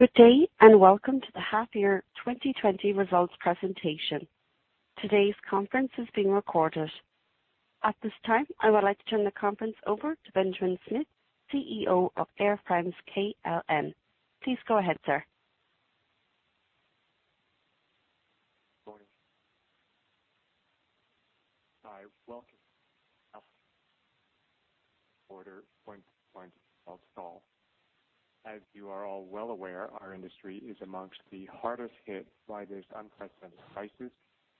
Good day, welcome to the Half Year 2020 Results Presentation. Today's conference is being recorded. At this time, I would like to turn the conference over to Benjamin Smith, CEO of Air France-KLM. Please go ahead, sir. Morning. I welcome you. As you are all well aware, our industry is amongst the hardest hit by this unprecedented crisis,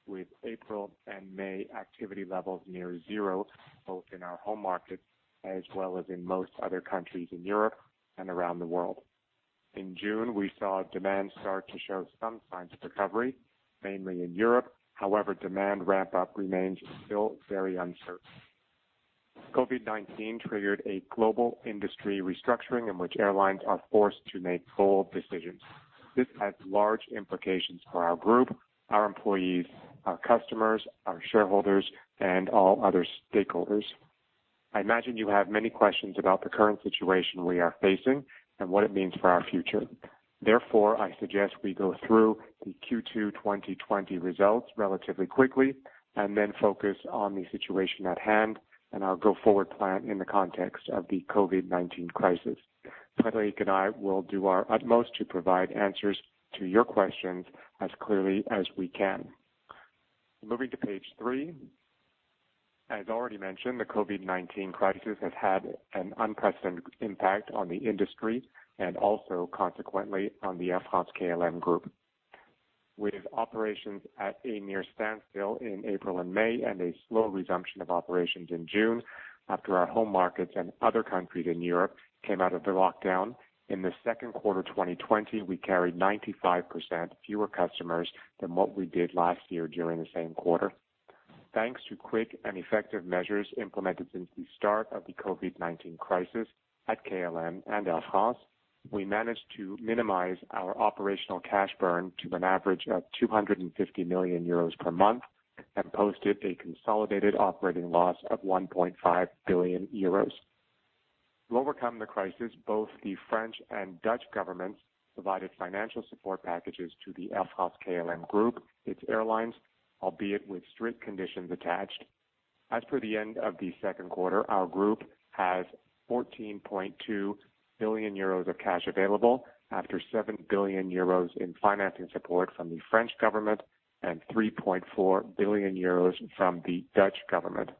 with April and May activity levels near zero, both in our home market as well as in most other countries in Europe and around the world. In June, we saw demand start to show some signs of recovery, mainly in Europe. However, demand ramp-up remains still very uncertain. COVID-19 triggered a global industry restructuring in which airlines are forced to make bold decisions. This has large implications for our group, our employees, our customers, our shareholders, and all other stakeholders. I imagine you have many questions about the current situation we are facing and what it means for our future. Therefore, I suggest we go through the Q2 2020 results relatively quickly, and then focus on the situation at hand, and our Go Forward plan in the context of the COVID-19 crisis. Frédéric and I will do our utmost to provide answers to your questions as clearly as we can. Moving to page three. As already mentioned, the COVID-19 crisis has had an unprecedented impact on the industry, and also, consequently, on the Air France-KLM group. With operations at a near standstill in April and May, and a slow resumption of operations in June, after our home markets and other countries in Europe came out of the lockdown. In the Q2 2020, we carried 95% fewer customers than what we did last year during the same quarter. Thanks to quick and effective measures implemented since the start of the COVID-19 crisis at KLM and Air France, we managed to minimize our operational cash burn to an average of 250 million euros per month and posted a consolidated operating loss of 1.5 billion euros. To overcome the crisis, both the French and Dutch governments provided financial support packages to the Air France-KLM group, its airlines, albeit with strict conditions attached. As per the end of the second quarter, our group has 14.2 billion euros of cash available after 7 billion euros in financing support from the French government and 3.4 billion euros from the Dutch government.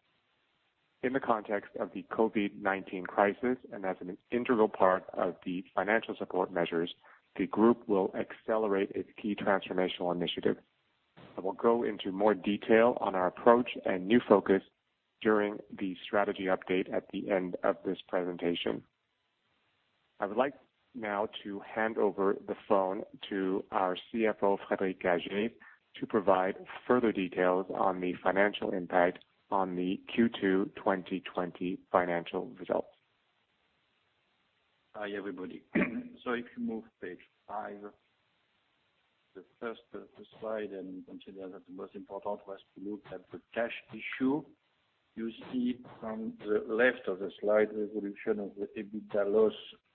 In the context of the COVID-19 crisis, and as an integral part of the financial support measures, the group will accelerate its key transformational initiative. I will go into more detail on our approach and new focus during the strategy update at the end of this presentation. I would like now to hand over the phone to our CFO, Frédéric Gagey, to provide further details on the financial impact on the Q2 2020 financial results. Hi, everybody. If you move page five. The first slide, consider that the most important was to look at the cash issue. You see from the left of the slide the evolution of the EBITDA loss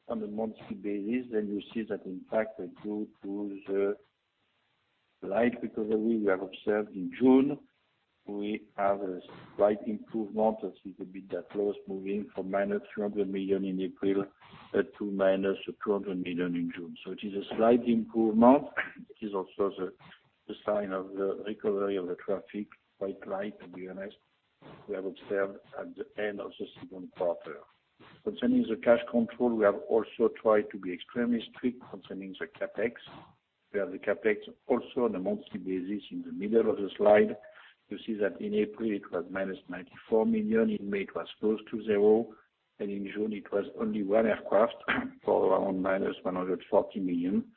on a monthly basis. You see that, in fact, due to the light recovery we have observed in June, we have a slight improvement. You see the EBITDA close, moving from -300 million in April to -200 million in June. It is a slight improvement, which is also the sign of the recovery of the traffic, quite light and be honest, we have observed at the end of the Q2. Concerning the cash control, we have also tried to be extremely strict concerning the CapEx. We have the CapEx also on a monthly basis in the middle of the slide. You see that in April it was -94 million. In May, it was close to zero, and in June, it was only one aircraft for around -140 million.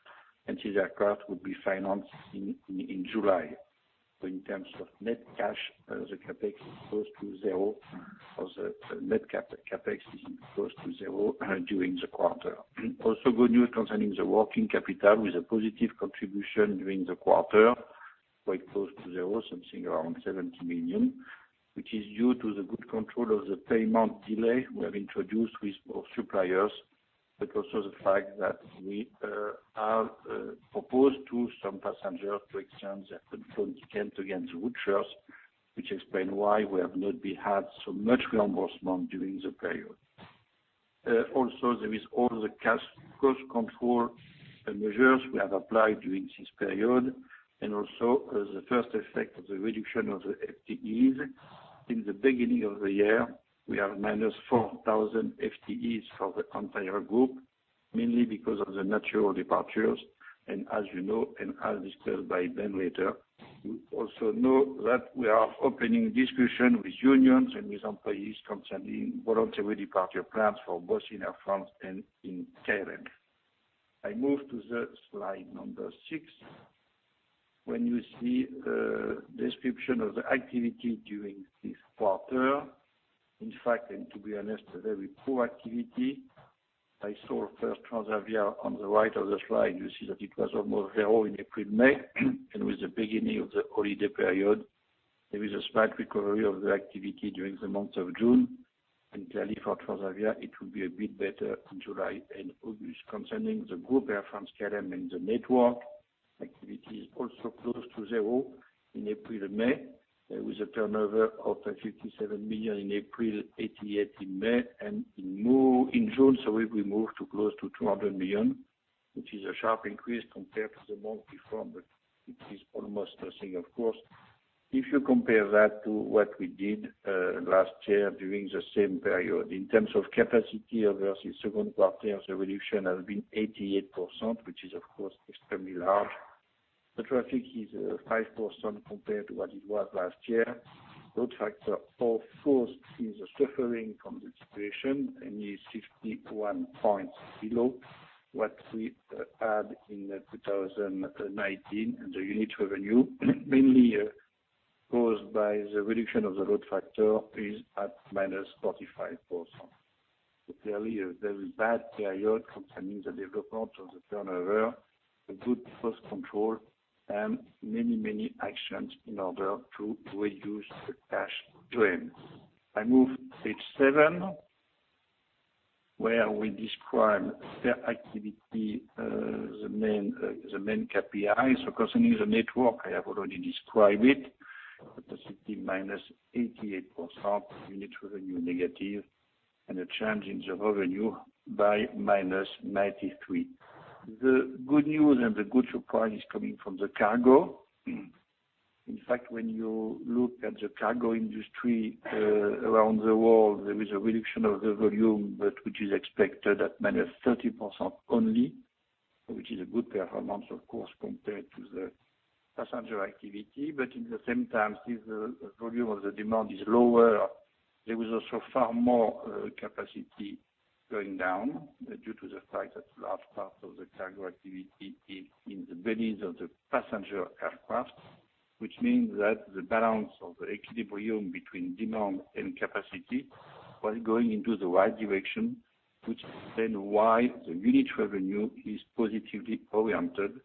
This aircraft would be financed in July. In terms of net cash, the CapEx is close to zero. The net CapEx is close to zero during the quarter. Good news concerning the working capital, with a positive contribution during the quarter, quite close to zero, something around 70 million, which is due to the good control of the payment delay we have introduced with our suppliers, but also the fact that we have proposed to some passengers to extend their travel vouchers, which explain why we have not had so much reimbursement during the period. There is all the cost control measures we have applied during this period, and also the first effect of the reduction of the FTEs. Since the beginning of the year, we have -4,000 FTEs for the entire group, mainly because of the natural departures. As you know, and as discussed by Ben later, we also know that we are opening discussion with unions and with employees concerning voluntary departure plans for both in Air France and in KLM. I move to the slide number six. When you see the description of the activity during this quarter, in fact, and to be honest, a very poor activity. I show first Transavia on the right of the slide, you see that it was almost zero in April, May, and with the beginning of the holiday period. Clearly for Transavia, it will be a bit better in July and August. Concerning the group Air France-KLM and the network, activity is also close to zero in April and May. There was a turnover of 57 million in April, 88 million in May, and in June, we moved to close to 200 million, which is a sharp increase compared to the month before, it is almost nothing, of course. If you compare that to what we did last year during the same period, in terms of capacity versus second quarter, the reduction has been 88%, which is, of course, extremely large. The traffic is 5% compared to what it was last year. Load factor, of course, is suffering from the situation and is 51 points below what we had in 2019. The unit revenue, mainly caused by the reduction of the load factor, is at -35%. Clearly, a very bad period concerning the development of the turnover, a good cost control, and many actions in order to reduce the cash drain. I move page seven, where we describe per activity, the main KPI. Concerning the network, I have already described it, capacity -88%, unit revenue negative, and a change in the revenue by -93%. The good news and the good surprise is coming from the cargo. In fact, when you look at the cargo industry around the world, there is a reduction of the volume, but which is expected at -30% only, which is a good performance, of course, compared to the passenger activity. At the same time, since the volume of the demand is lower, there was also far more capacity going down due to the fact that large parts of the cargo activity is in the bellies of the passenger aircraft, which means that the balance of the equilibrium between demand and capacity was going into the right direction, which is then why the unit revenue is positively oriented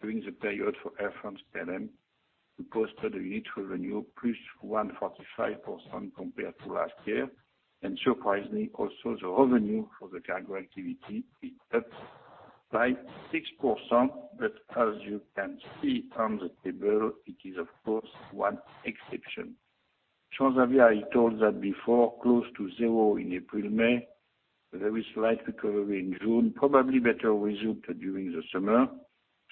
during the period for Air France-KLM, we posted a unit revenue +145% compared to last year. Surprisingly, also, the revenue for the cargo activity picked up by 6%, but as you can see on the table, it is, of course, one exception. Transavia, I told that before, close to zero in April, May. There is slight recovery in June, probably better result during the summer.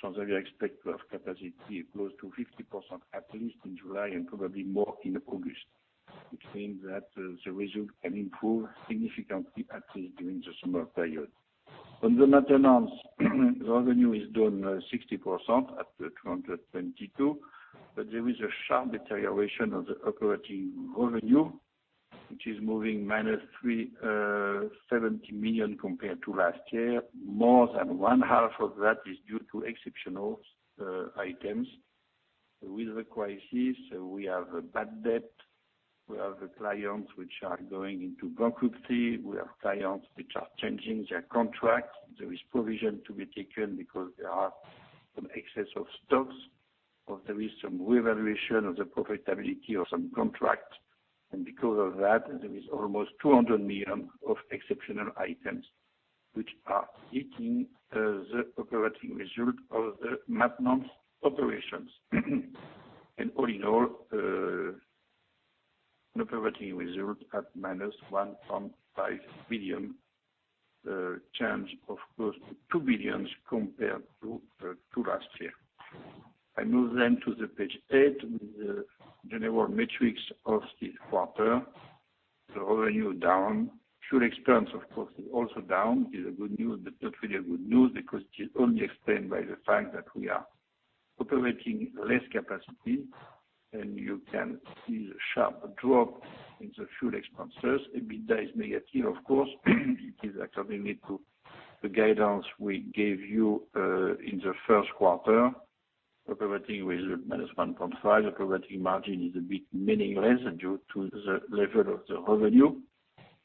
Transavia expect to have capacity close to 50% at least in July and probably more in August, which means that the result can improve significantly, at least during the summer period. On the maintenance, the revenue is down 60% at 222, there is a sharp deterioration of the operating revenue, which is moving -370 million compared to last year. More than one half of that is due to exceptional items. With the crisis, we have bad debt, we have the clients which are going into bankruptcy, we have clients which are changing their contract. There is provision to be taken because there are some excess of stocks, or there is some reevaluation of the profitability of some contract. Because of that, there is almost 200 million of exceptional items, which are hitting the operating result of the maintenance operations. All in all, an operating result at -1.5 billion, a change of close to 2 billion compared to last year. I move to page eight with the general metrics of this quarter. The revenue down. Fuel expense, of course, is also down. It is not really a good news because it is only explained by the fact that we are operating less capacity, and you can see the sharp drop in the fuel expenses. EBITDA is negative, of course, it is according to the guidance we gave you in the first quarter. Operating result, -1.5 billion. Operating margin is a bit meaningless due to the level of the revenue.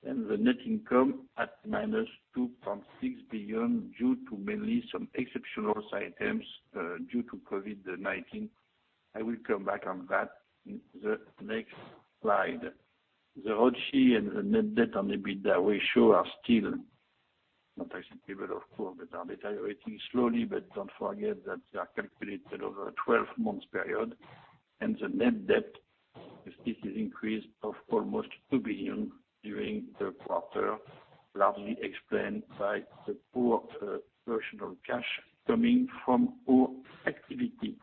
The net income at -2.6 billion due to mainly some exceptional items due to COVID-19. I will come back on that in the next slide. The ROCE and the net debt on the EBITDA ratio are still not as intended, of course, but are deteriorating slowly, but don't forget that they are calculated over a 12-month period, and the net debt, this is increase of almost 2 billion during the quarter, largely explained by the poor portion of cash coming from our activity.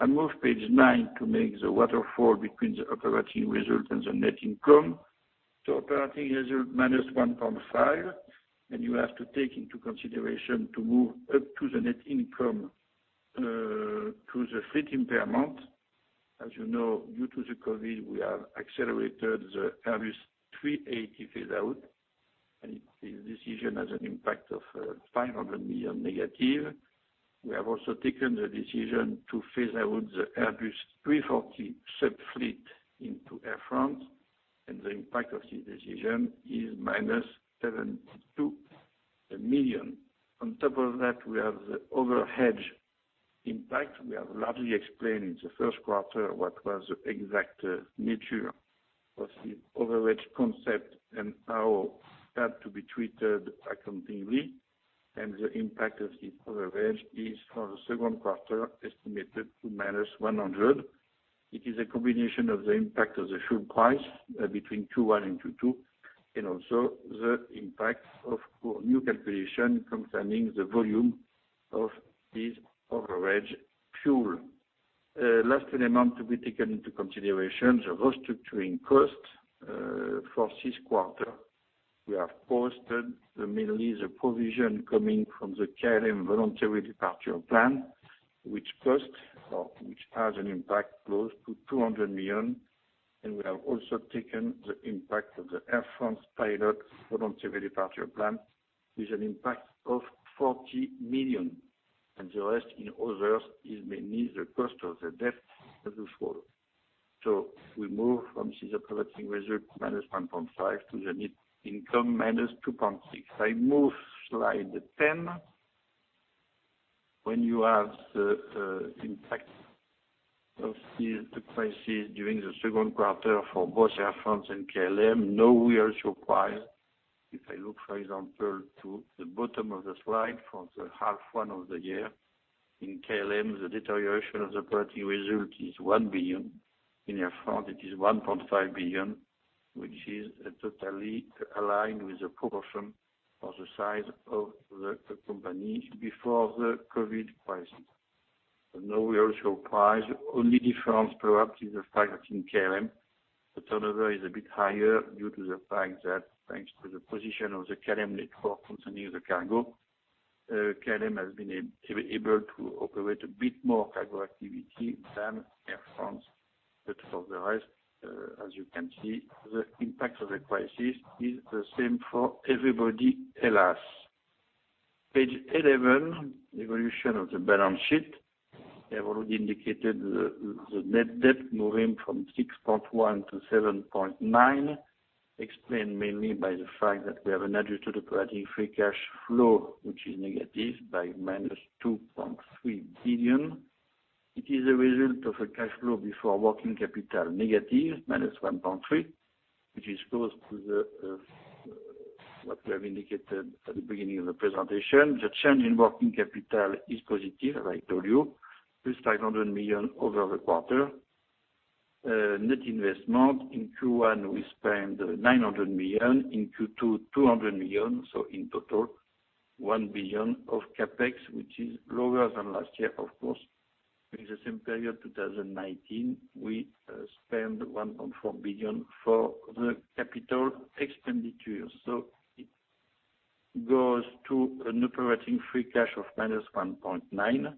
I move page nine to make the waterfall between the operating result and the net income. Operating result, -1.5, and you have to take into consideration to move up to the net income, to the fleet impairment. As you know, due to the COVID-19, we have accelerated the Airbus A380 phase-out, and this decision has an impact of 500 million negative. We have also taken the decision to phase out the Airbus A340 subfleet into Air France, and the impact of this decision is -72 million. On top of that, we have the overhedge impact. We have largely explained in the first quarter what was the exact nature of the overage concept and how that to be treated accounting. The impact of this overage is for the second quarter, estimated to minus 100. It is a combination of the impact of the fuel price between Q1 and Q2, and also the impact of new calculation concerning the volume of this overage fuel. Last element to be taken into consideration, the restructuring cost. For this quarter, we have posted mainly the provision coming from the KLM voluntary departure plan, which has an impact close to 200 million. We have also taken the impact of the Air France pilot voluntary departure plan, with an impact of 40 million. The rest in others is mainly the cost of the debt of the group. We move from CESAR operating result, minus 1.5 billion to the net income, minus 2.6 billion. I move, slide 10. When you have the impact of the crisis during the second quarter for both Air France and KLM, no real surprise. If I look, for example, to the bottom of the slide for the half one of the year, in KLM, the deterioration of the operating result is 1 billion. In Air France, it is 1.5 billion, which is totally aligned with the proportion of the size of the company before the COVID crisis. Now we also price, only difference perhaps is the fact that in KLM, the turnover is a bit higher due to the fact that thanks to the position of the KLM network concerning the cargo, KLM has been able to operate a bit more cargo activity than Air France. For the rest, as you can see, the impact of the crisis is the same for everybody, alas. Page 11, evolution of the balance sheet. I've already indicated the net debt moving from 6.1-7.9, explained mainly by the fact that we have an adjusted operating free cash flow, which is negative by -2.3 billion. It is a result of a cash flow before working capital negative, -1.3, which is close to what we have indicated at the beginning of the presentation. The change in working capital is positive, as I told you, plus 500 million over the quarter. Net investment, in Q1, we spent 900 million, in Q2, 200 million. In total, 1 billion of CapEx, which is lower than last year, of course. In the same period, 2019, we spent 1.4 billion for the capital expenditure. It goes to a net operating free cash of minus 1.9.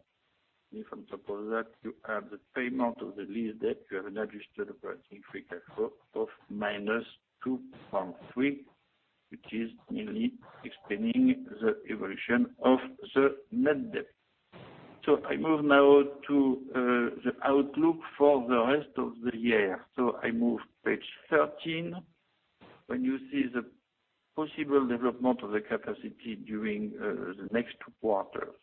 If on top of that, you have the payment of the lease debt, you have an adjusted operating free cash flow of minus 2.3, which is mainly explaining the evolution of the net debt. I move now to the outlook for the rest of the year. I move, page 13. When you see the possible development of the capacity during the next two quarters.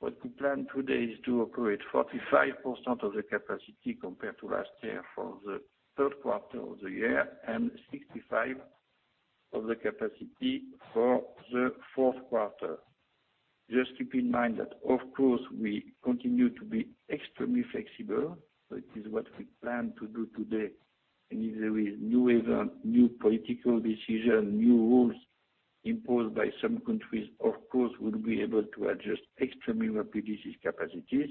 What we plan today is to operate 45% of the capacity compared to last year for the third quarter of the year, and 65% of the capacity for the fourth quarter. Just keep in mind that, of course, we continue to be extremely flexible. It is what we plan to do today. If there is new event, new political decision, new rules imposed by some countries, of course, we'll be able to adjust extremely rapidly these capacities.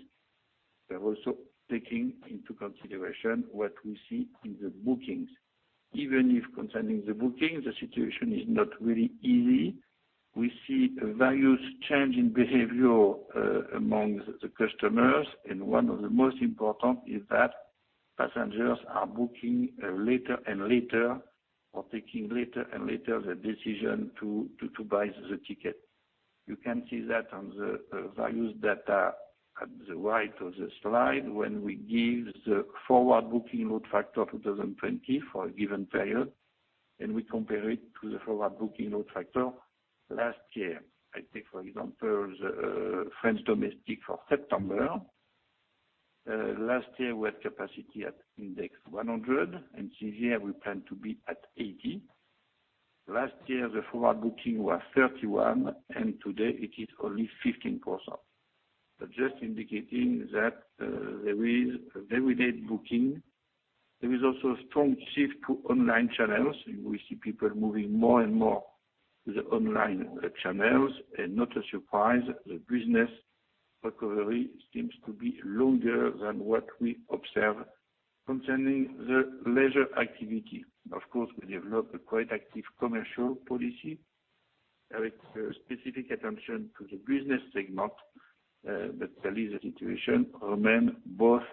We're also taking into consideration what we see in the bookings. Even if concerning the booking, the situation is not really easy. We see various change in behavior amongst the customers, and one of the most important is that passengers are booking later and later or taking later and later the decision to buy the ticket. You can see that on the values that are at the right of the slide, when we give the forward booking load factor 2020 for a given period, and we compare it to the forward booking load factor last year. I take, for example, the French domestic for September. Last year, we had capacity at index 100, and this year, we plan to be at 80. Last year, the forward booking was 31%, and today it is only 15%. Just indicating that there is very late booking. There is also a strong shift to online channels. We see people moving more and more to the online channels. Not a surprise, the business recovery seems to be longer than what we observe concerning the leisure activity. Of course, we developed a quite active commercial policy with specific attention to the business segment. Really, the situation remain both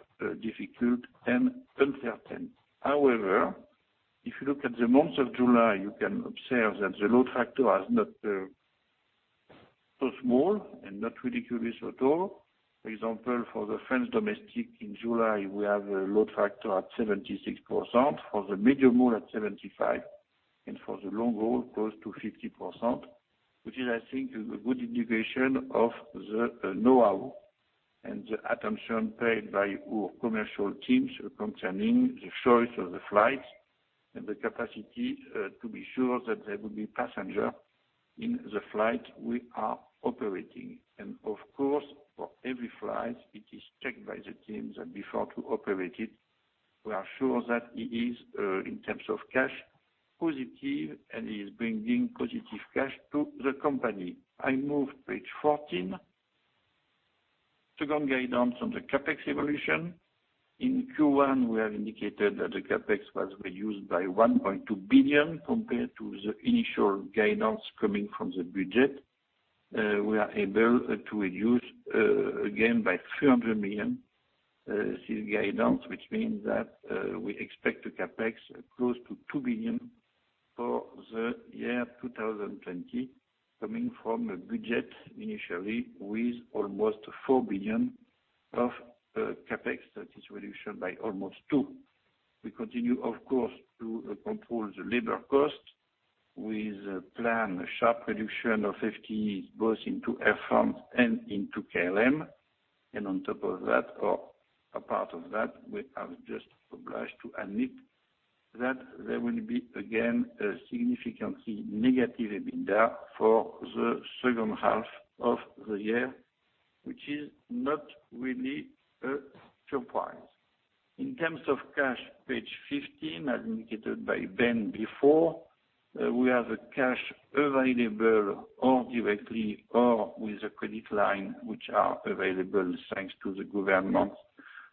difficult and uncertain. However, if you look at the month of July, you can observe that the load factor was not so small and not ridiculous at all. For example, for the French domestic in July, we have a load factor at 76%, for the medium haul at 75%. For the long haul, close to 50%, which is, I think, a good indication of the know-how and the attention paid by our commercial teams concerning the choice of the flights and the capacity to be sure that there will be passengers in the flight we are operating. Of course, for every flight, it is checked by the teams, before to operate it, we are sure that it is, in terms of cash, positive and is bringing positive cash to the company. I move page 14. Second guidance on the CapEx evolution. In Q1, we have indicated that the CapEx was reduced by 1.2 billion compared to the initial guidance coming from the budget. We are able to reduce, again, by 300 million this guidance, which means that we expect the CapEx close to 2 billion for the year 2020, coming from a budget initially with almost 4 billion of CapEx. That is reduction by almost 2 billion. We continue, of course, to control the labor cost with a plan, a sharp reduction of 50, both into Air France and into KLM. On top of that, or a part of that, we have just obliged to admit that there will be, again, a significantly negative EBITDA for the second half of the year, which is not really a surprise. In terms of cash, page 15, as indicated by Ben before, we have cash available or directly or with a credit line, which are available thanks to the government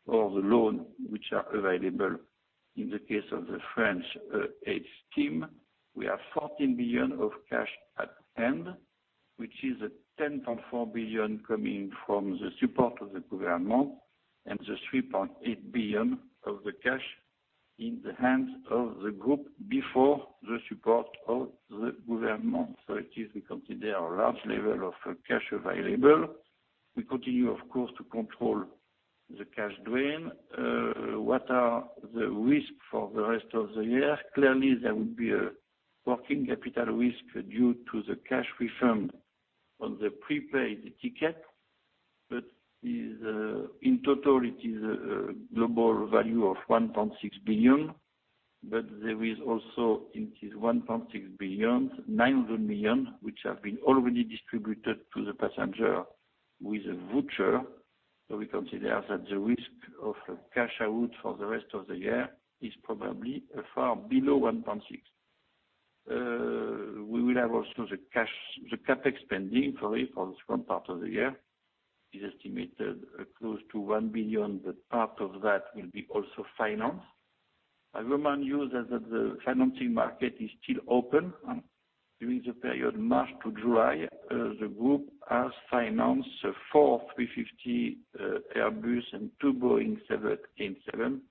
or the loan, which are available in the case of the French aid scheme. We have 14 billion of cash at hand, which is 10.4 billion coming from the support of the government and 3.8 billion of the cash in the hands of the group before the support of the government. It is, we consider, a large level of cash available. We continue, of course, to control the cash drain. What are the risks for the rest of the year? Clearly, there will be a working capital risk due to the cash refund on the prepaid ticket. In total, it is a global value of 1.6 billion, but there is also, in this 1.6 billion, 900 million, which have been already distributed to the passenger with a voucher. We consider that the risk of cash out for the rest of the year is probably far below 1.6 billion. We will have also the CapEx spending for the second part of the year, is estimated close to 1 billion, but part of that will be also financed. I remind you that the financing market is still open. During the period March to July, the group has financed four 350 Airbus and two Boeing 787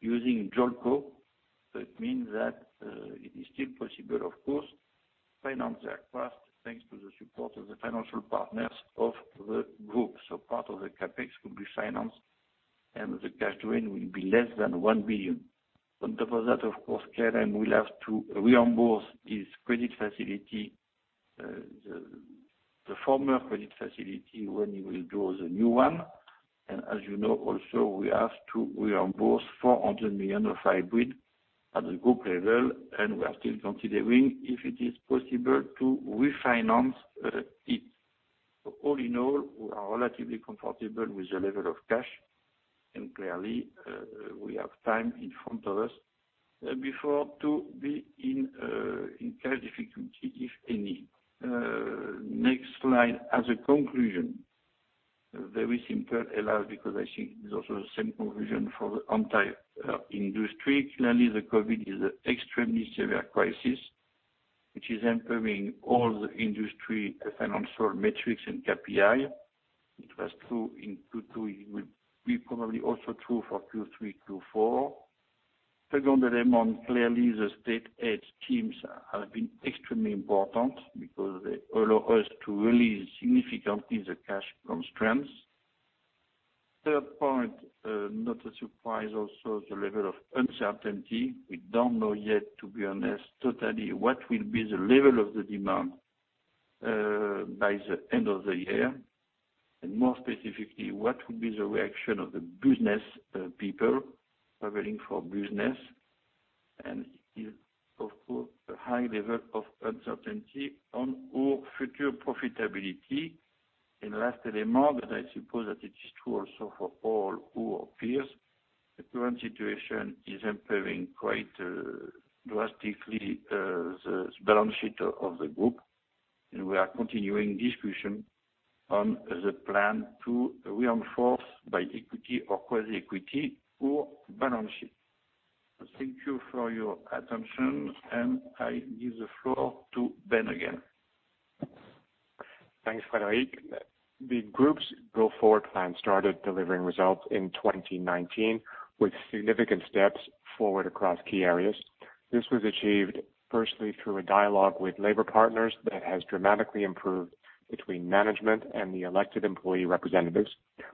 using JOLCO. It means that it is still possible, of course, to finance their cost thanks to the support of the financial partners of the group. Part of the CapEx will be financed, and the cash drain will be less than 1 billion. On top of that, of course, KLM will have to reimburse its credit facility, the former credit facility, when we will draw the new one. As you know also, we have to reimburse 400 million of hybrid at the group level, and we are still considering if it is possible to refinance it. All in all, we are relatively comfortable with the level of cash, and clearly, we have time in front of us before to be in cash difficulty, if any. Next slide. As a conclusion, very simple, because I think it's also the same conclusion for the entire industry. Clearly, COVID-19 is an extremely severe crisis, which is impacting all the industry financial metrics and KPI. It was true in Q2. It will be probably also true for Q3, Q4. Second element, clearly, the state aid schemes have been extremely important because they allow us to release significantly the cash constraints. Third point, not a surprise also, the level of uncertainty. We don't know yet, to be honest, totally what will be the level of the demand by the end of the year, and more specifically, what will be the reaction of the business people traveling for business. It is, of course, a high level of uncertainty on our future profitability. Last element, I suppose that it is true also for all our peers, the current situation is impacting quite drastically the balance sheet of the group, and we are continuing discussion on the plan to reinforce by equity or quasi-equity our balance sheet. Thank you for your attention. I give the floor to Ben again. Thanks, Frédéric. The group's Go Forward Plan started delivering results in 2019 with significant steps forward across key areas. This was achieved firstly through a dialogue with labor partners that has dramatically improved between management and the elected employee representatives.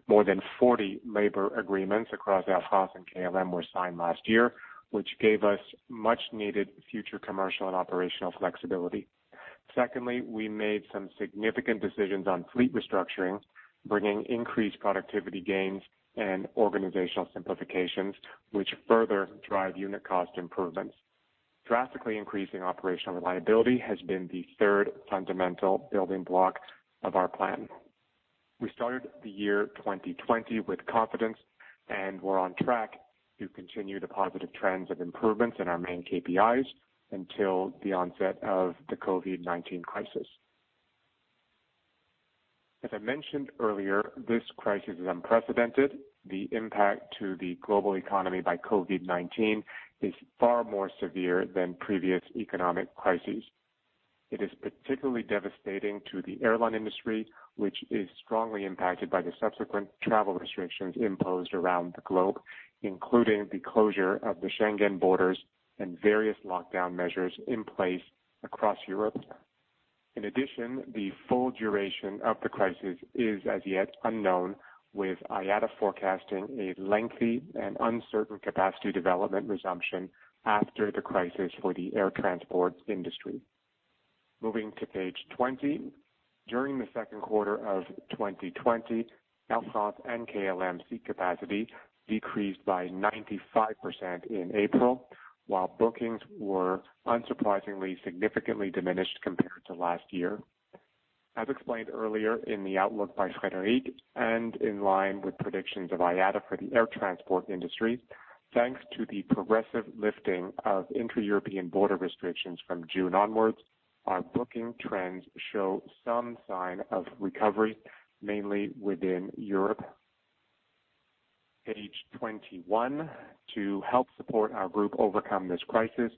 More than 40 labor agreements across Air France and KLM were signed last year, which gave us much-needed future commercial and operational flexibility. Secondly, we made some significant decisions on fleet restructuring, bringing increased productivity gains and organizational simplifications, which further drive unit cost improvements. Drastically increasing operational reliability has been the third fundamental building block of our plan. We started the year 2020 with confidence, and were on track to continue the positive trends of improvements in our main KPIs until the onset of the COVID-19 crisis. As I mentioned earlier, this crisis is unprecedented. The impact to the global economy by COVID-19 is far more severe than previous economic crises. It is particularly devastating to the airline industry, which is strongly impacted by the subsequent travel restrictions imposed around the globe, including the closure of the Schengen borders and various lockdown measures in place across Europe. In addition, the full duration of the crisis is as yet unknown, with IATA forecasting a lengthy and uncertain capacity development resumption after the crisis for the air transport industry. Moving to page 20. During the second quarter of 2020, Air France and KLM seat capacity decreased by 95% in April, while bookings were unsurprisingly significantly diminished compared to last year. As explained earlier in the outlook by Frédéric, and in line with predictions of IATA for the air transport industry, thanks to the progressive lifting of intra-European border restrictions from June onwards, our booking trends show some sign of recovery, mainly within Europe. Page 21. To help support our group overcome this crisis,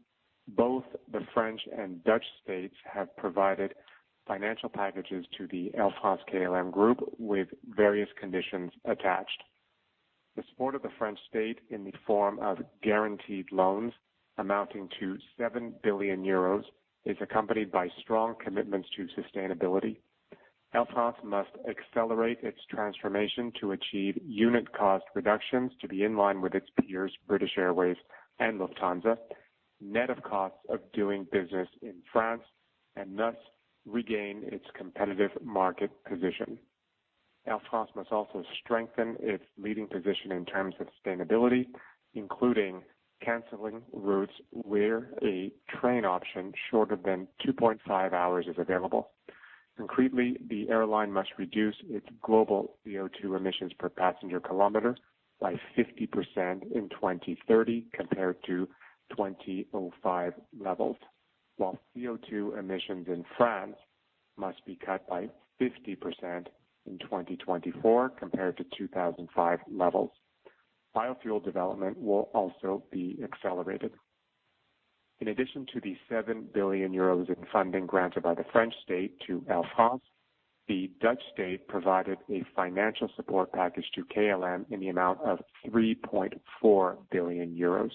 both the French and Dutch states have provided financial packages to the Air France-KLM Group with various conditions attached. The support of the French state in the form of guaranteed loans amounting to 7 billion euros is accompanied by strong commitments to sustainability. Air France must accelerate its transformation to achieve unit cost reductions to be in line with its peers, British Airways and Lufthansa, net of costs of doing business in France, and thus regain its competitive market position. Air France must also strengthen its leading position in terms of sustainability, including canceling routes where a train option shorter than 2.5 hours is available. Concretely, the airline must reduce its global CO2 emissions per passenger kilometer by 50% in 2030 compared to 2005 levels, while CO2 emissions in France must be cut by 50% in 2024 compared to 2005 levels. Biofuel development will also be accelerated. In addition to the 7 billion euros in funding granted by the French state to Air France, the Dutch state provided a financial support package to KLM in the amount of 3.4 billion euros.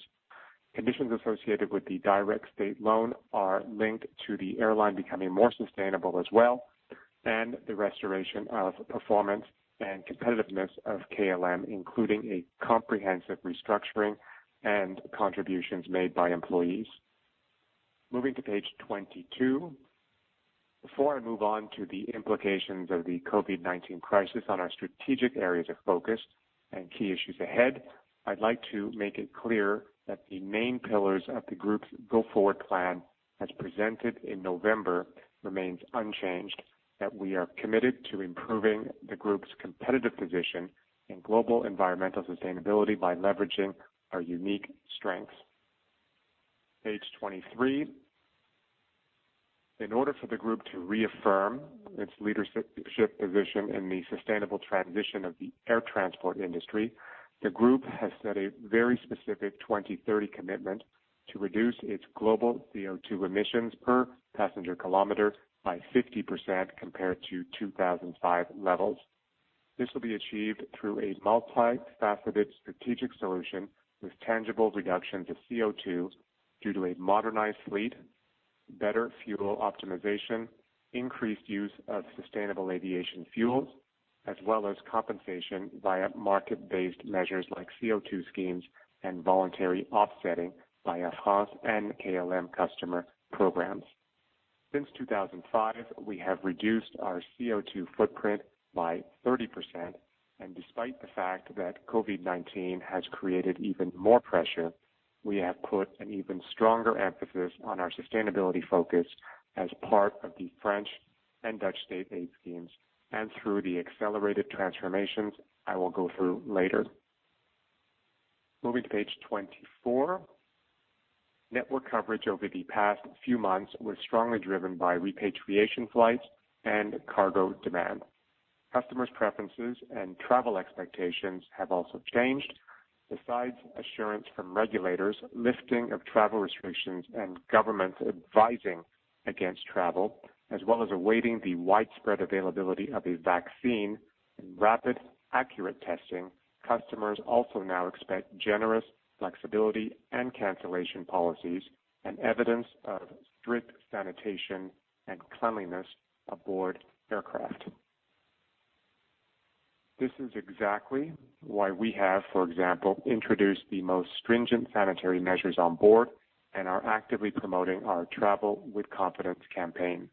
Conditions associated with the direct state loan are linked to the airline becoming more sustainable as well, and the restoration of performance and competitiveness of KLM, including a comprehensive restructuring and contributions made by employees. Moving to page 22. Before I move on to the implications of the COVID-19 crisis on our strategic areas of focus and key issues ahead, I'd like to make it clear that the main pillars of the Group's Go Forward Plan, as presented in November, remains unchanged, that we are committed to improving the Group's competitive position and global environmental sustainability by leveraging our unique strengths. Page 23. In order for the Group to reaffirm its leadership position in the sustainable transition of the air transport industry, the Group has set a very specific 2030 commitment to reduce its global CO2 emissions per passenger kilometer by 50% compared to 2005 levels. This will be achieved through a multifaceted strategic solution with tangible reductions of CO2 due to a modernized fleet, better fuel optimization, increased use of sustainable aviation fuels, as well as compensation via market-based measures like CO2 schemes and voluntary offsetting by Air France and KLM customer programs. Since 2005, we have reduced our CO2 footprint by 30%, and despite the fact that COVID-19 has created even more pressure, we have put an even stronger emphasis on our sustainability focus as part of the French and Dutch state aid schemes, and through the accelerated transformations I will go through later. Moving to page 24. Network coverage over the past few months was strongly driven by repatriation flights and cargo demand. Customers' preferences and travel expectations have also changed. Besides assurance from regulators, lifting of travel restrictions, and governments advising against travel, as well as awaiting the widespread availability of a vaccine and rapid accurate testing, customers also now expect generous flexibility and cancellation policies and evidence of strict sanitation and cleanliness aboard aircraft. This is exactly why we have, for example, introduced the most stringent sanitary measures on board and are actively promoting our Travel with Confidence campaign.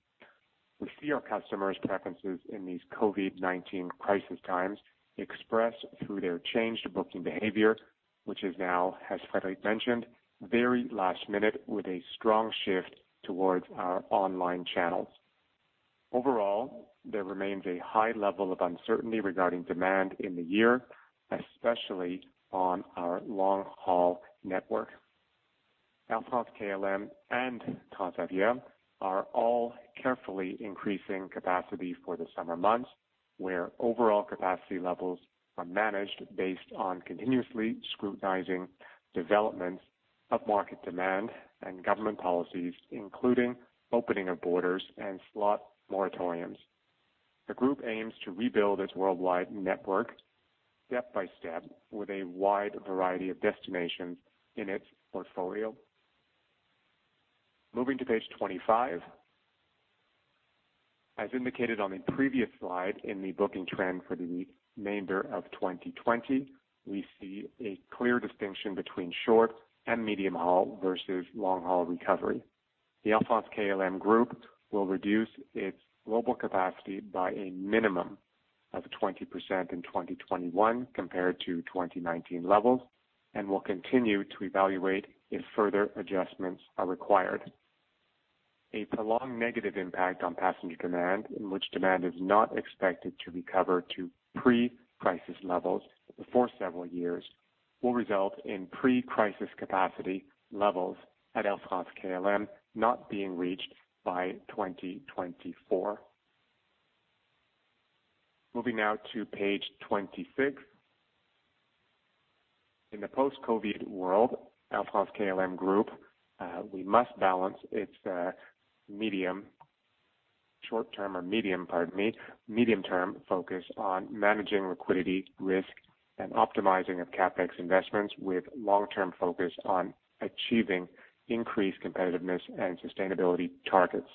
We see our customers' preferences in these COVID-19 crisis times expressed through their changed booking behavior, which is now, as Frédéric mentioned, very last-minute, with a strong shift towards our online channels. Overall, there remains a high level of uncertainty regarding demand in the year, especially on our long-haul network. Air France-KLM and Transavia are all carefully increasing capacity for the summer months, where overall capacity levels are managed based on continuously scrutinizing developments of market demand and government policies, including opening of borders and slot moratoriums. The group aims to rebuild its worldwide network step by step, with a wide variety of destinations in its portfolio. Moving to page 25. As indicated on the previous slide, in the booking trend for the remainder of 2020, we see a clear distinction between short and medium-haul versus long-haul recovery. The Air France-KLM Group will reduce its global capacity by a minimum of 20% in 2021 compared to 2019 levels, and will continue to evaluate if further adjustments are required. A prolonged negative impact on passenger demand, in which demand is not expected to recover to pre-crisis levels for several years, will result in pre-crisis capacity levels at Air France-KLM not being reached by 2024. Moving now to page 26. In the post-COVID world, Air France-KLM Group, we must balance its short-term or medium-term focus on managing liquidity risk and optimizing of CapEx investments with long-term focus on achieving increased competitiveness and sustainability targets.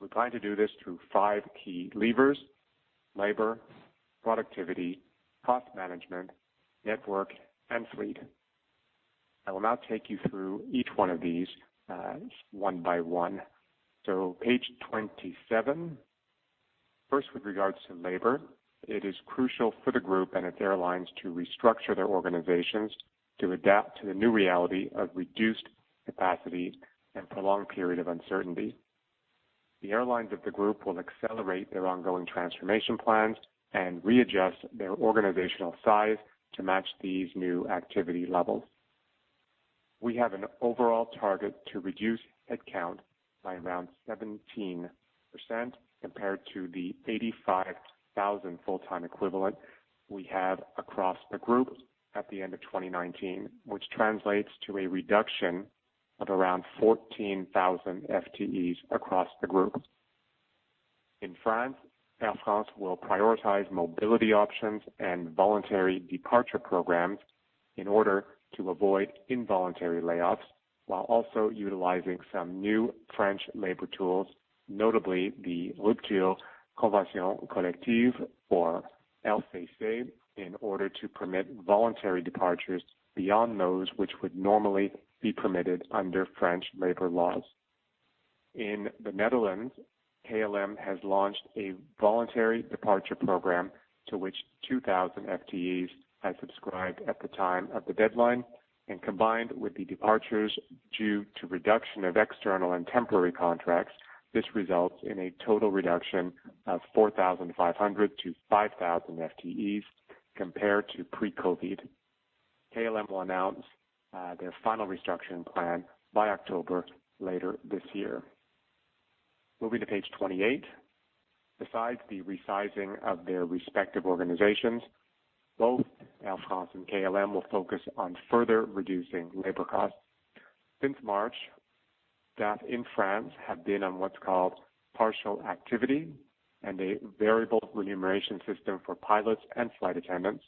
We are trying to do this through five key levers, labor, productivity, cost management, network, and fleet. I will now take you through each one of these, one by one. Page 27. First, with regards to labor, it is crucial for the group and its airlines to restructure their organizations to adapt to the new reality of reduced capacity and prolonged period of uncertainty. The airlines of the group will accelerate their ongoing transformation plans and readjust their organizational size to match these new activity levels. We have an overall target to reduce headcount by around 17% compared to the 85,000 full-time equivalent we have across the group at the end of 2019, which translates to a reduction of around 14,000 FTEs across the group. In France, Air France will prioritize mobility options and voluntary departure programs in order to avoid involuntary layoffs, while also utilizing some new French labor tools, notably the Groupe Convention Collective for LCC, in order to permit voluntary departures beyond those which would normally be permitted under French labor laws. In the Netherlands, KLM has launched a voluntary departure program to which 2,000 FTEs had subscribed at the time of the deadline, and combined with the departures due to reduction of external and temporary contracts, this results in a total reduction of 4,500-5,000 FTEs compared to pre-COVID. KLM will announce their final restructuring plan by October later this year. Moving to page 28. Besides the resizing of their respective organizations, both Air France and KLM will focus on further reducing labor costs. Since March, staff in France have been on what's called partial activity and a variable remuneration system for pilots and flight attendants,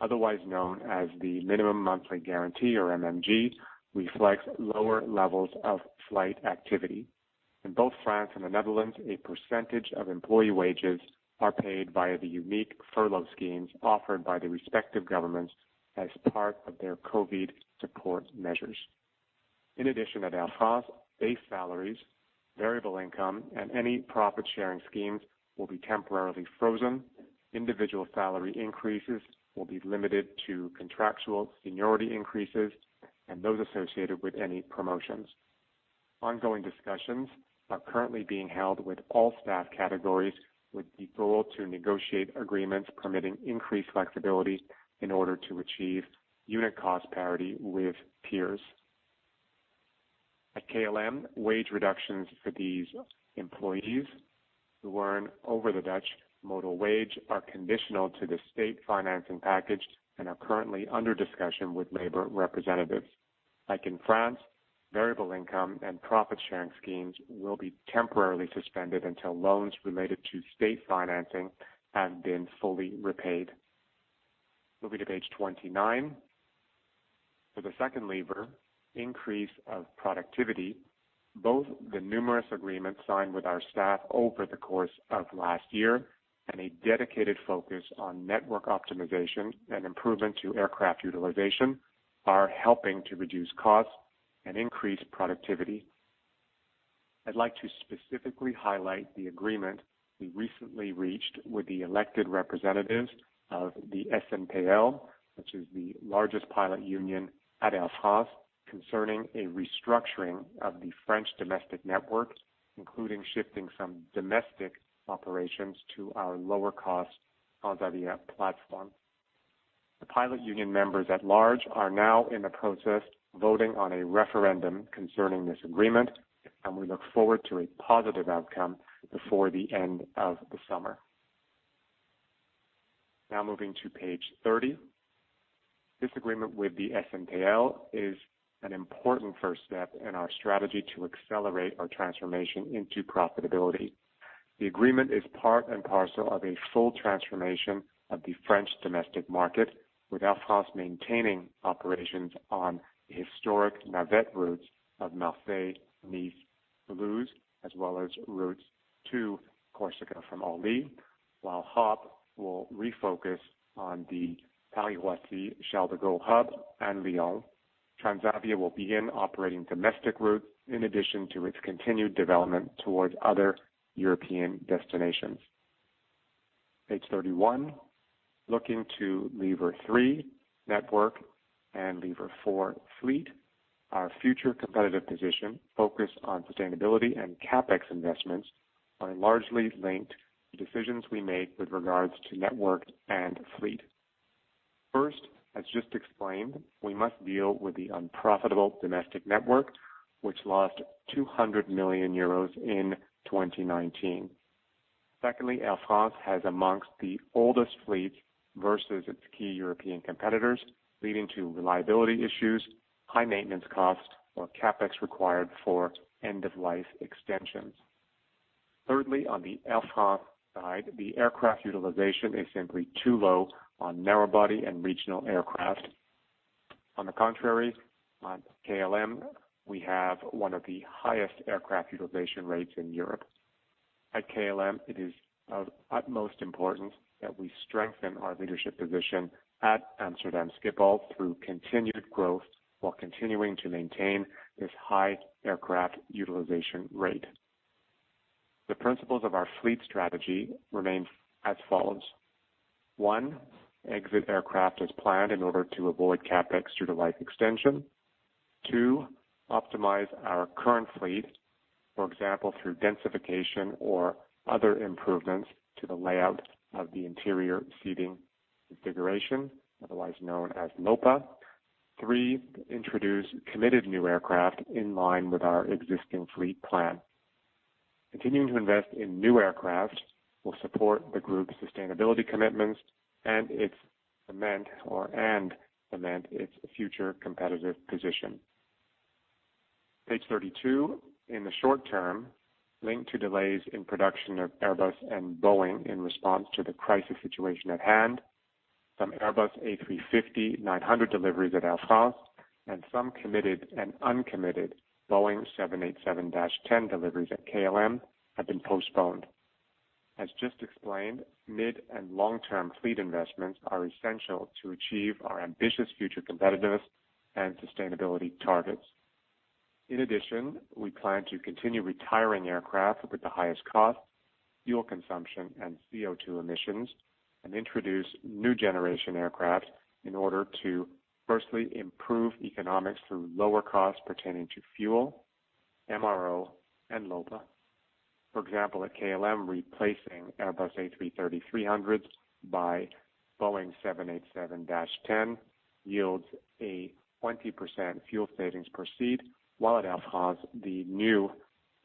otherwise known as the minimum monthly guarantee or MMG, reflects lower levels of flight activity. In both France and the Netherlands, a percentage of employee wages are paid via the unique furlough schemes offered by the respective governments as part of their COVID support measures. In addition, at Air France, base salaries, variable income, and any profit-sharing schemes will be temporarily frozen. Individual salary increases will be limited to contractual seniority increases and those associated with any promotions. Ongoing discussions are currently being held with all staff categories with the goal to negotiate agreements permitting increased flexibility in order to achieve unit cost parity with peers. At KLM, wage reductions for these employees who earn over the Dutch modal wage are conditional to the state financing package and are currently under discussion with labor representatives. Like in France, variable income and profit-sharing schemes will be temporarily suspended until loans related to state financing have been fully repaid. Moving to page 29. For the second lever, increase of productivity, both the numerous agreements signed with our staff over the course of last year and a dedicated focus on network optimization and improvement to aircraft utilization are helping to reduce costs and increase productivity. I'd like to specifically highlight the agreement we recently reached with the elected representatives of the SNPL, which is the largest pilot union at Air France, concerning a restructuring of the French domestic network, including shifting some domestic operations to our lower-cost Transavia platform. The pilot union members at large are now in the process of voting on a referendum concerning this agreement. We look forward to a positive outcome before the end of the summer. Moving to page 30. This agreement with the SNPL is an important first step in our strategy to accelerate our transformation into profitability. The agreement is part and parcel of a full transformation of the French domestic market, with Air France maintaining operations on the historic Navette routes of Marseille, Nice, Toulouse, as well as routes to Corsica from Orly, while Hop! will refocus on the Paris Orly hub and Lyon. Transavia will begin operating domestic routes in addition to its continued development towards other European destinations. Page 31. Looking to lever 3, network, and lever 4, fleet. Our future competitive position, focus on sustainability, and CapEx investments are largely linked to decisions we make with regards to network and fleet. First, as just explained, we must deal with the unprofitable domestic network, which lost 200 million euros in 2019. Secondly, Air France has amongst the oldest fleets versus its key European competitors, leading to reliability issues, high maintenance cost, or CapEx required for end-of-life extensions. Thirdly, on the Air France side, the aircraft utilization is simply too low on narrow-body and regional aircraft. On the contrary, on KLM, we have one of the highest aircraft utilization rates in Europe. At KLM, it is of utmost importance that we strengthen our leadership position at Amsterdam Schiphol through continued growth while continuing to maintain this high aircraft utilization rate. The principles of our fleet strategy remain as follows. One, exit aircraft as planned in order to avoid CapEx through the life extension. Two, optimize our current fleet, for example, through densification or other improvements to the layout of the interior seating configuration, otherwise known as LOPA. Three, introduce committed new aircraft in line with our existing fleet plan. Continuing to invest in new aircraft will support the group's sustainability commitments and cement its future competitive position. Page 32. In the short term, linked to delays in production of Airbus and Boeing in response to the crisis situation at hand, some Airbus A350-900 deliveries at Air France and some committed and uncommitted Boeing 787-10 deliveries at KLM have been postponed. As just explained, mid- and long-term fleet investments are essential to achieve our ambitious future competitiveness and sustainability targets. In addition, we plan to continue retiring aircraft with the highest cost, fuel consumption, and CO2 emissions and introduce new generation aircraft in order to, firstly, improve economics through lower costs pertaining to fuel, MRO, and LOPA. For example, at KLM, replacing Airbus A330-300 by Boeing 787-10 yields a 20% fuel savings per seat, while at Air France, the new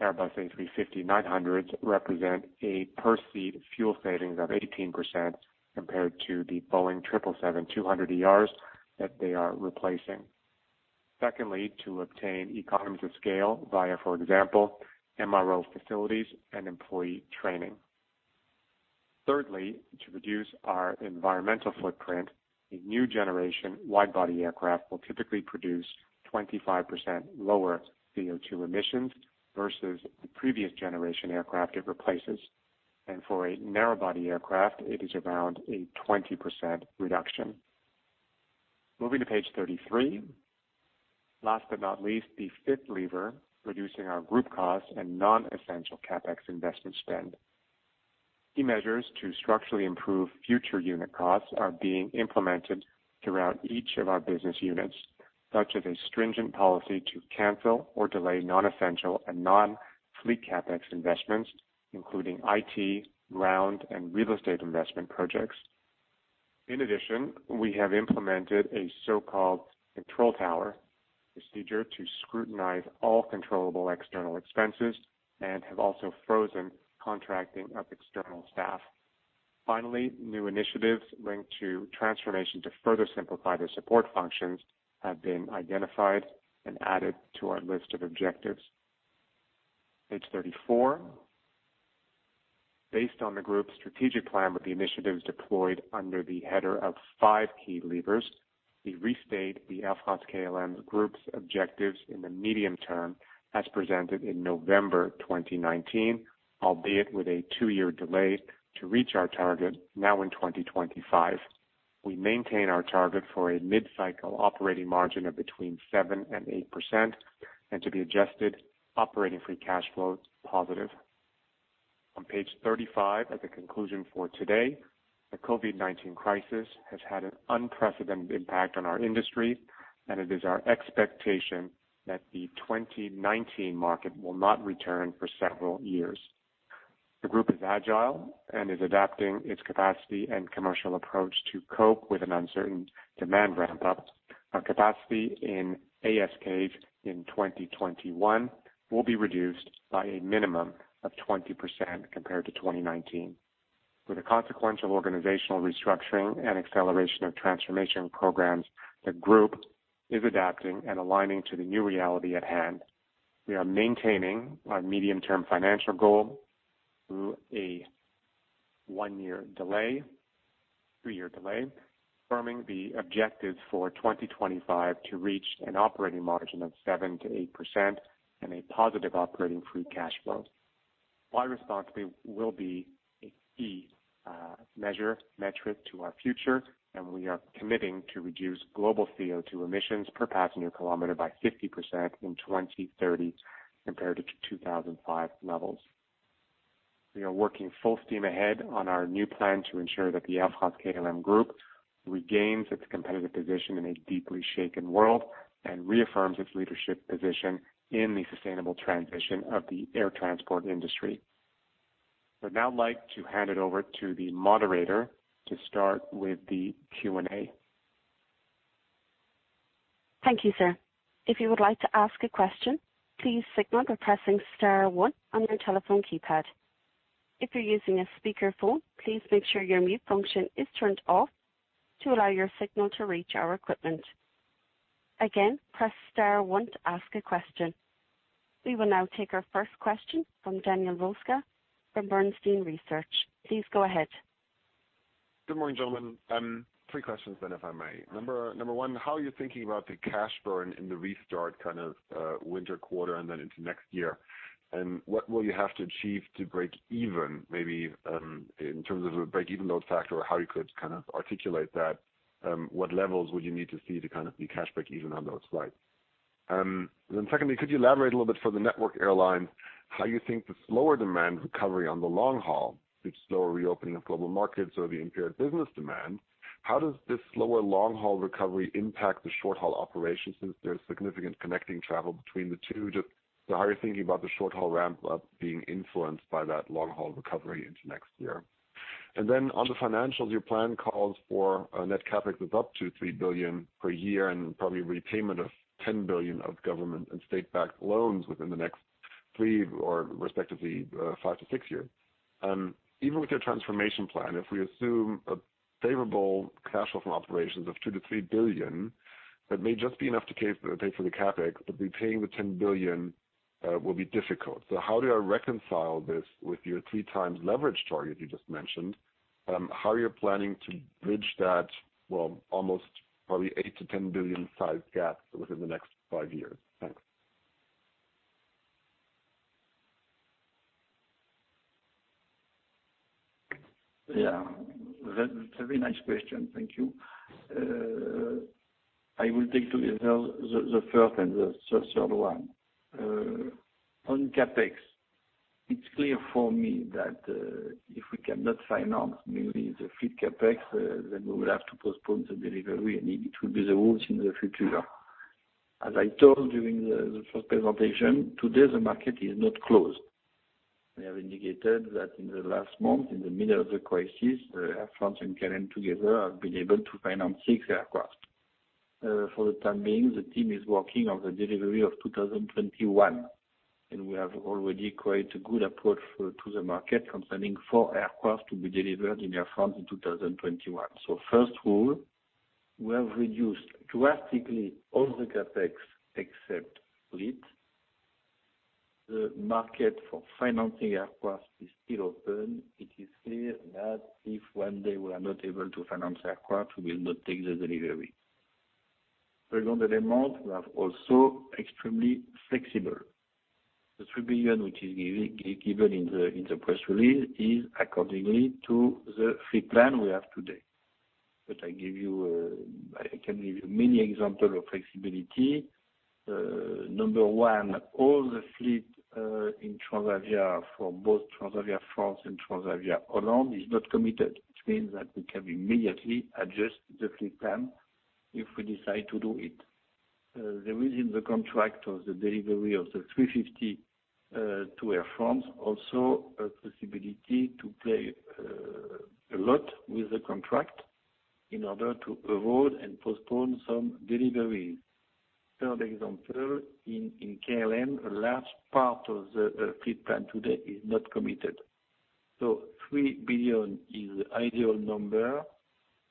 Airbus A350-900s represent a per seat fuel savings of 18% compared to the Boeing 777-200ERs that they are replacing. Secondly, to obtain economies of scale via, for example, MRO facilities and employee training. Thirdly, to reduce our environmental footprint, a new generation wide-body aircraft will typically produce 25% lower CO2 emissions versus the previous generation aircraft it replaces. For a narrow-body aircraft, it is around a 20% reduction. Moving to page 33. Last but not least, the fifth lever, reducing our group costs and non-essential CapEx investment spend. Key measures to structurally improve future unit costs are being implemented throughout each of our business units, such as a stringent policy to cancel or delay non-essential and non-fleet CapEx investments, including IT, ground, and real estate investment projects. In addition, we have implemented a so-called control tower procedure to scrutinize all controllable external expenses and have also frozen contracting of external staff. Finally, new initiatives linked to transformation to further simplify the support functions have been identified and added to our list of objectives. Page 34. Based on the group's strategic plan with the initiatives deployed under the header of five key levers, we restate the Air France-KLM group's objectives in the medium term as presented in November 2019, albeit with a two-year delay to reach our target now in 2025. We maintain our target for a mid-cycle operating margin of between 7% and 8%, and to be adjusted operating free cash flow positive. On page 35, as a conclusion for today, the COVID-19 crisis has had an unprecedented impact on our industry, and it is our expectation that the 2019 market will not return for several years. The group is agile and is adapting its capacity and commercial approach to cope with an uncertain demand ramp-up. Our capacity in ASK in 2021 will be reduced by a minimum of 20% compared to 2019. With a consequential organizational restructuring and acceleration of transformation programs, the group is adapting and aligning to the new reality at hand. We are maintaining our medium-term financial goal through a three-year delay, affirming the objective for 2025 to reach an operating margin of 7%-8% and a positive operating free cash flow. Our responsibility will be a key metric to our future, and we are committing to reduce global CO2 emissions per passenger kilometer by 50% in 2030 compared to 2005 levels. We are working full steam ahead on our new plan to ensure that the Air France-KLM group regains its competitive position in a deeply shaken world and reaffirms its leadership position in the sustainable transition of the air transport industry. I'd now like to hand it over to the moderator to start with the Q&A. Thank you, sir. If you would like to ask a question, please signal by pressing star one on your telephone keypad. If you're using a speakerphone, please make sure your mute function is turned off to allow your signal to reach our equipment. Again, press star one to ask a question. We will now take our first question from Daniel Roeska from Bernstein Research. Please go ahead. Good morning, gentlemen. Three questions, if I may. Number one, how are you thinking about the cash burn in the restart winter quarter and into next year? What will you have to achieve to break even, maybe in terms of a break-even load factor, how you could articulate that? What levels would you need to see to be cash break even on those flights? Secondly, could you elaborate a little bit for the network airlines, how you think the slower demand recovery on the long haul, the slower reopening of global markets or the impaired business demand, how does this slower long-haul recovery impact the short-haul operations since there's significant connecting travel between the two? Just how are you thinking about the short-haul ramp-up being influenced by that long-haul recovery into next year? On the financials, your plan calls for net CapEx of up to 3 billion per year, and probably repayment of 10 billion of government and state-backed loans within the next three, or respectively, five to six years. Even with your transformation plan, if we assume a favorable cash flow from operations of 2 billion-3 billion, that may just be enough to pay for the CapEx, but repaying the 10 billion will be difficult. How do I reconcile this with your three times leverage target you just mentioned? How are you planning to bridge that, almost probably 8 billion-10 billion size gap within the next five years? Thanks. Yeah. That's a very nice question. Thank you. I will take together the first and the third one. On CapEx, it's clear for me that if we cannot finance mainly the fleet CapEx, we will have to postpone the delivery. It will be the rules in the future. As I told you in the first presentation, today, the market is not closed. We have indicated that in the last month, in the middle of the crisis, Air France and KLM together have been able to finance six aircraft. For the time being, the team is working on the delivery of 2021. We have already created a good approach to the market concerning four aircraft to be delivered in Air France in 2021. First rule, we have reduced drastically all the CapEx except fleet. The market for financing aircraft is still open. It is clear that if one day we are not able to finance aircraft, we will not take the delivery. We are also extremely flexible. The 3 billion, which is given in the press release, is according to the fleet plan we have today. I can give you many examples of flexibility. All the fleet in Transavia for both Transavia France and Transavia is not committed, which means that we can immediately adjust the fleet plan if we decide to do it. There is in the contract of the delivery of the 350 to Air France, also a possibility to play a lot with the contract in order to avoid and postpone some deliveries. In KLM, a large part of the fleet plan today is not committed. 3 billion is the ideal number.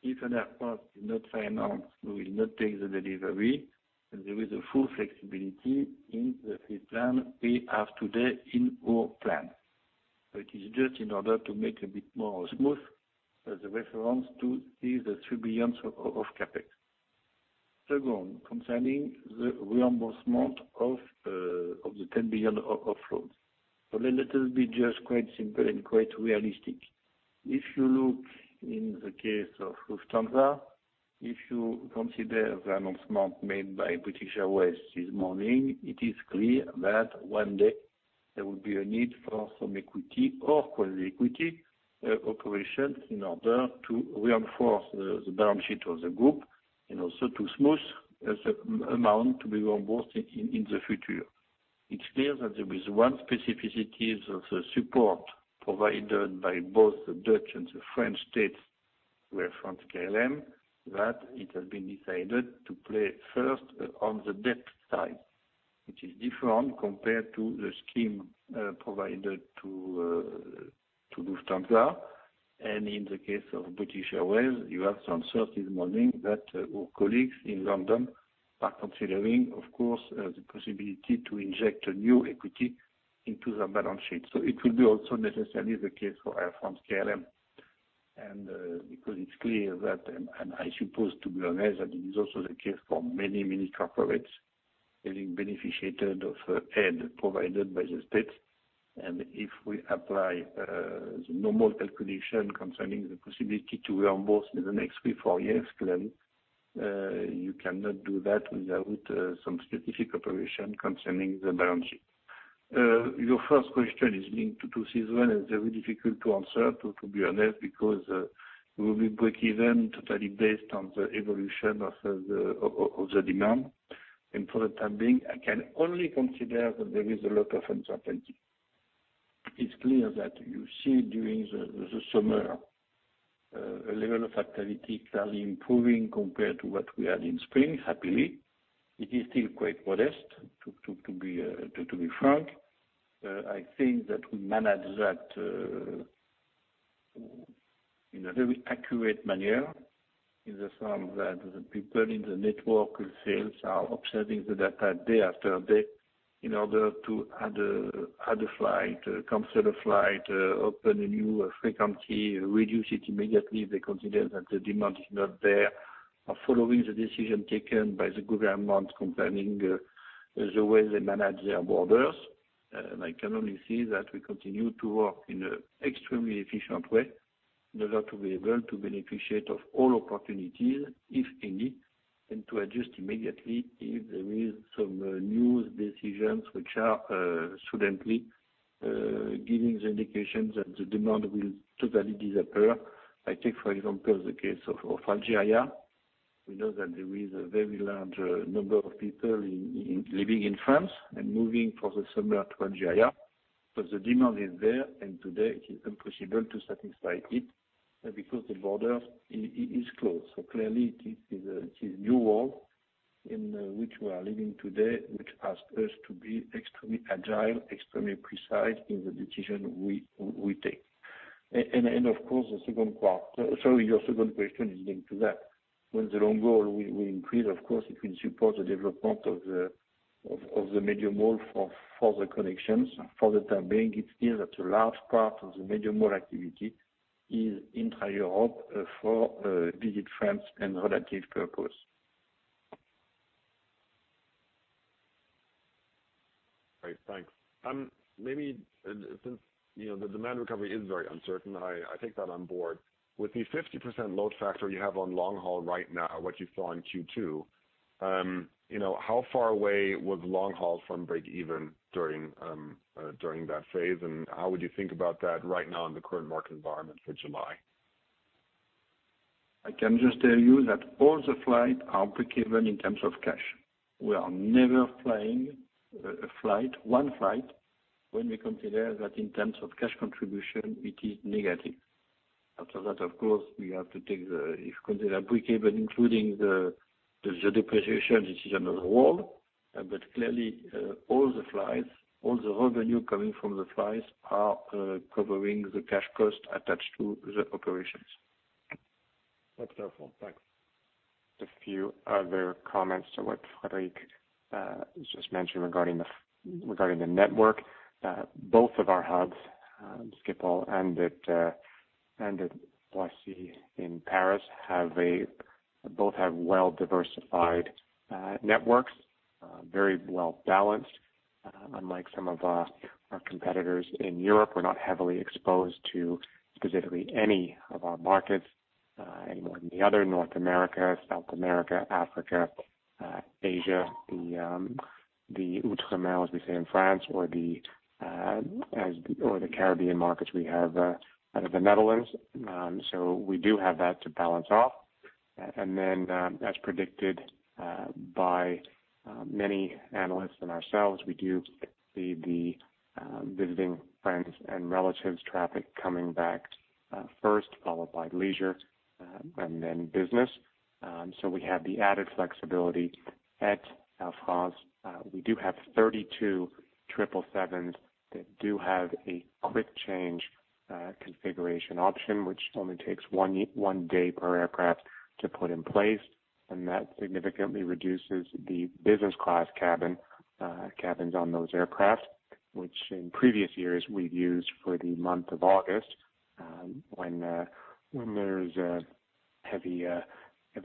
If an aircraft is not financed, we will not take the delivery, and there is a full flexibility in the fleet plan we have today in our plan. It is just in order to make a bit more smooth as a reference to see the 3 billion of CapEx. Second, concerning the reimbursement of the 10 billion of loans. Let us be just quite simple and quite realistic. If you look in the case of Lufthansa, if you consider the announcement made by British Airways this morning, it is clear that one day there will be a need for some equity or quasi equity operations in order to reinforce the balance sheet of the group and also to smooth the amount to be reimbursed in the future. It's clear that there is one specificity of the support provided by both the Dutch and the French states where Air France-KLM, that it has been decided to play first on the debt side, which is different compared to the scheme provided to Lufthansa. In the case of British Airways, you have some search this morning that our colleagues in London are considering, of course, the possibility to inject new equity into their balance sheet. It will be also necessarily the case for Air France-KLM. Because it's clear that, and I suppose, to be honest, that it is also the case for many, many corporates having benefited of aid provided by the state. If we apply the normal calculation concerning the possibility to reimburse in the next three, four years, clearly, you cannot do that without some specific operation concerning the balance sheet. Your first question is linked to season, it's very difficult to answer, to be honest, because we will be breakeven totally based on the evolution of the demand. For the time being, I can only consider that there is a lot of uncertainty. It's clear that you see during the summer, a level of activity clearly improving compared to what we had in spring, happily. It is still quite modest, to be frank. I think that we manage that in a very accurate manner in the sense that the people in the network sales are observing the data day after day in order to add a flight, cancel a flight, open a new frequency, reduce it immediately if they consider that the demand is not there, or following the decision taken by the government concerning the way they manage their borders. I can only see that we continue to work in an extremely efficient way in order to be able to beneficiate of all opportunities, if any, and to adjust immediately if there is some news, decisions which are suddenly giving the indications that the demand will totally disappear. I take, for example, the case of Algeria. We know that there is a very large number of people living in France and moving for the summer to Algeria. The demand is there, and today it is impossible to satisfy it, because the border is closed. Clearly, this is a new world in which we are living today, which asks us to be extremely agile, extremely precise in the decision we take. Of course, your second question is linked to that. When the long haul will increase, of course, it will support the development of the medium haul for further connections. For the time being, it's clear that a large part of the medium haul activity is intra-Europe for visiting friends and relative purpose. Great. Thanks. Maybe since the demand recovery is very uncertain, I take that on board. With the 50% load factor you have on long haul right now, what you saw in Q2, how far away was long haul from breakeven during that phase, and how would you think about that right now in the current market environment for July? I can just tell you that all the flights are breakeven in terms of cash. We are never flying one flight when we consider that in terms of cash contribution, it is negative. After that, of course, we have to if consider breakeven including the depreciation, this is another world. Clearly, all the flights, all the revenue coming from the flights are covering the cash cost attached to the operations. That's helpful. Thanks. Just a few other comments to what Frédéric just mentioned regarding the network. Both of our hubs, Schiphol and at Roissy in Paris, both have well-diversified networks, very well-balanced. Unlike some of our competitors in Europe, we're not heavily exposed to specifically any of our markets any more than the other, North America, South America, Africa, Asia, the Outre-mer, as we say in France, or the Caribbean markets we have out of the Netherlands. We do have that to balance off. As predicted by many analysts and ourselves, we do see the visiting friends and relatives traffic coming back first, followed by leisure, and then business. We have the added flexibility at Air France. We do have 32 Boeing 777s that do have a quick change configuration option, which only takes one day per aircraft to put in place, and that significantly reduces the business class cabins on those aircraft, which in previous years we've used for the month of August, when there's heavy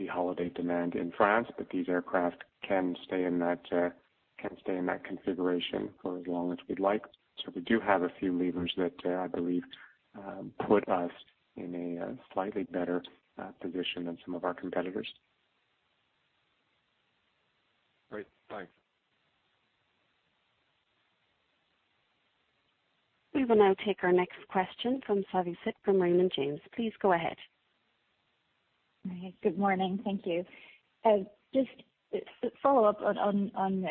holiday demand in France. These aircraft can stay in that configuration for as long as we'd like. We do have a few levers that I believe put us in a slightly better position than some of our competitors. Great. Thanks. We will now take our next question from Savanthi Syth from Raymond James. Please go ahead. Good morning. Thank you. Just follow up on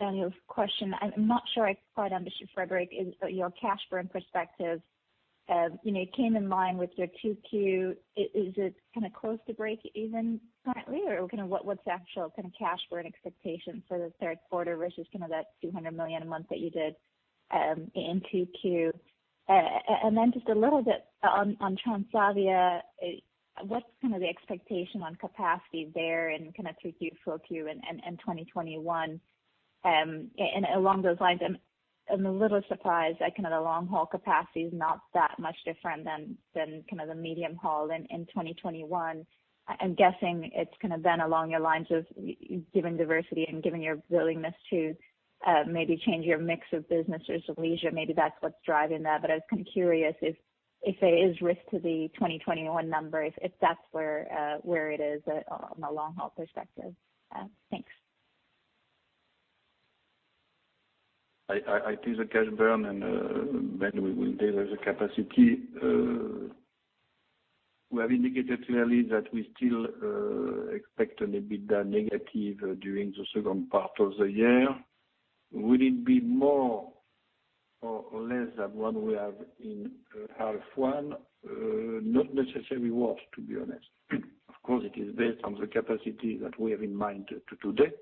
Daniel's question. I'm not sure I quite understood, Frédéric, your cash burn perspective. It came in line with your Q2. Is it close to breakeven currently, or what's the actual cash burn expectation for the Q3 versus that 200 million a month that you did in Q2? Just a little bit on Transavia, what's the expectation on capacity there in Q3, Q4, and 2021? Along those lines, I'm a little surprised that long-haul capacity is not that much different than medium-haul in 2021. I'm guessing it's been along your lines of given diversity and given your willingness to maybe change your mix of business or leisure, maybe that's what's driving that. I was curious if there is risk to the 2021 numbers, if that's where it is from a long-haul perspective. Thanks. I'll do the cash burn, then we will deal with the capacity. We have indicated clearly that we still expect an EBITDA negative during the second part of the year. Will it be more or less than what we have in half one? Not necessarily worse, to be honest. Of course, it is based on the capacity that we have in mind today.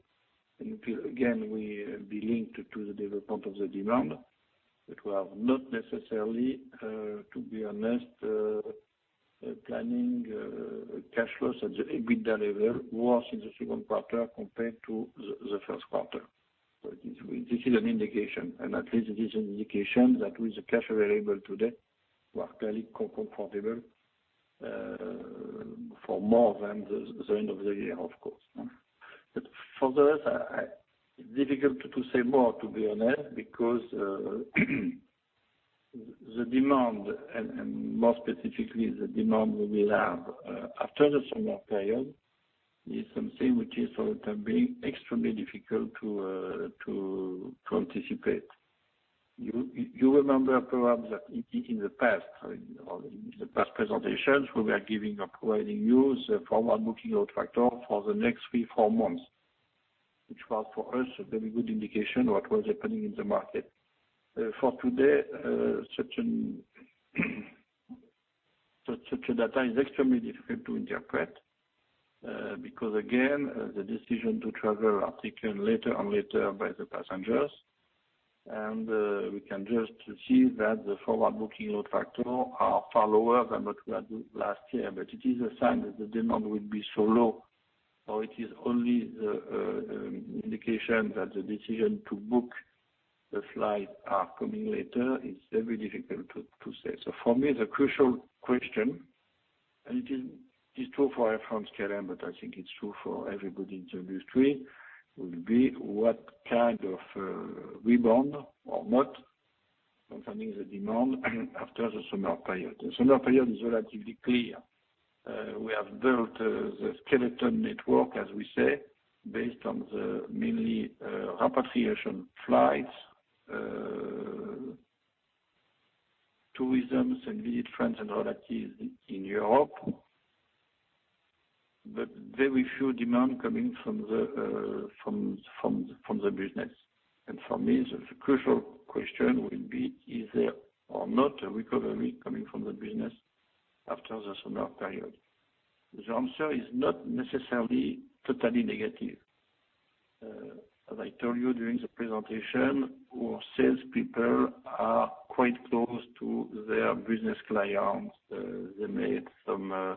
Again, we will be linked to the development of the demand, but we are not necessarily, to be honest, planning cash flows at the EBITDA level worse in the second quarter compared to the first quarter. This is an indication, at least it is an indication that with the cash available today, we are clearly comfortable for more than the end of the year, of course. For the rest, it's difficult to say more, to be honest, because the demand, and more specifically the demand that we have after the summer period, is something which is for the time being extremely difficult to anticipate. You remember perhaps that in the past presentations, we were providing you the forward-booking load factor for the next three, four months, which was for us a very good indication what was happening in the market. For today, such data is extremely difficult to interpret, because again, the decision to travel are taken later and later by the passengers. We can just see that the forward-booking load factor are far lower than what we had last year. It is a sign that the demand will be so low, or it is only the indication that the decision to book the flights are coming later. It's very difficult to say. For me, the crucial question, and it is true for Air France-KLM, but I think it's true for everybody in the industry, will be what kind of rebound or not concerning the demand after the summer period. The summer period is relatively clear. We have built the skeleton network, as we say, based on the mainly repatriation flights, tourism and visit friends and relatives in Europe. Very few demand coming from the business. For me, the crucial question will be, is there or not a recovery coming from the business after the summer period? The answer is not necessarily totally negative. As I told you during the presentation, our salespeople are quite close to their business clients. They made some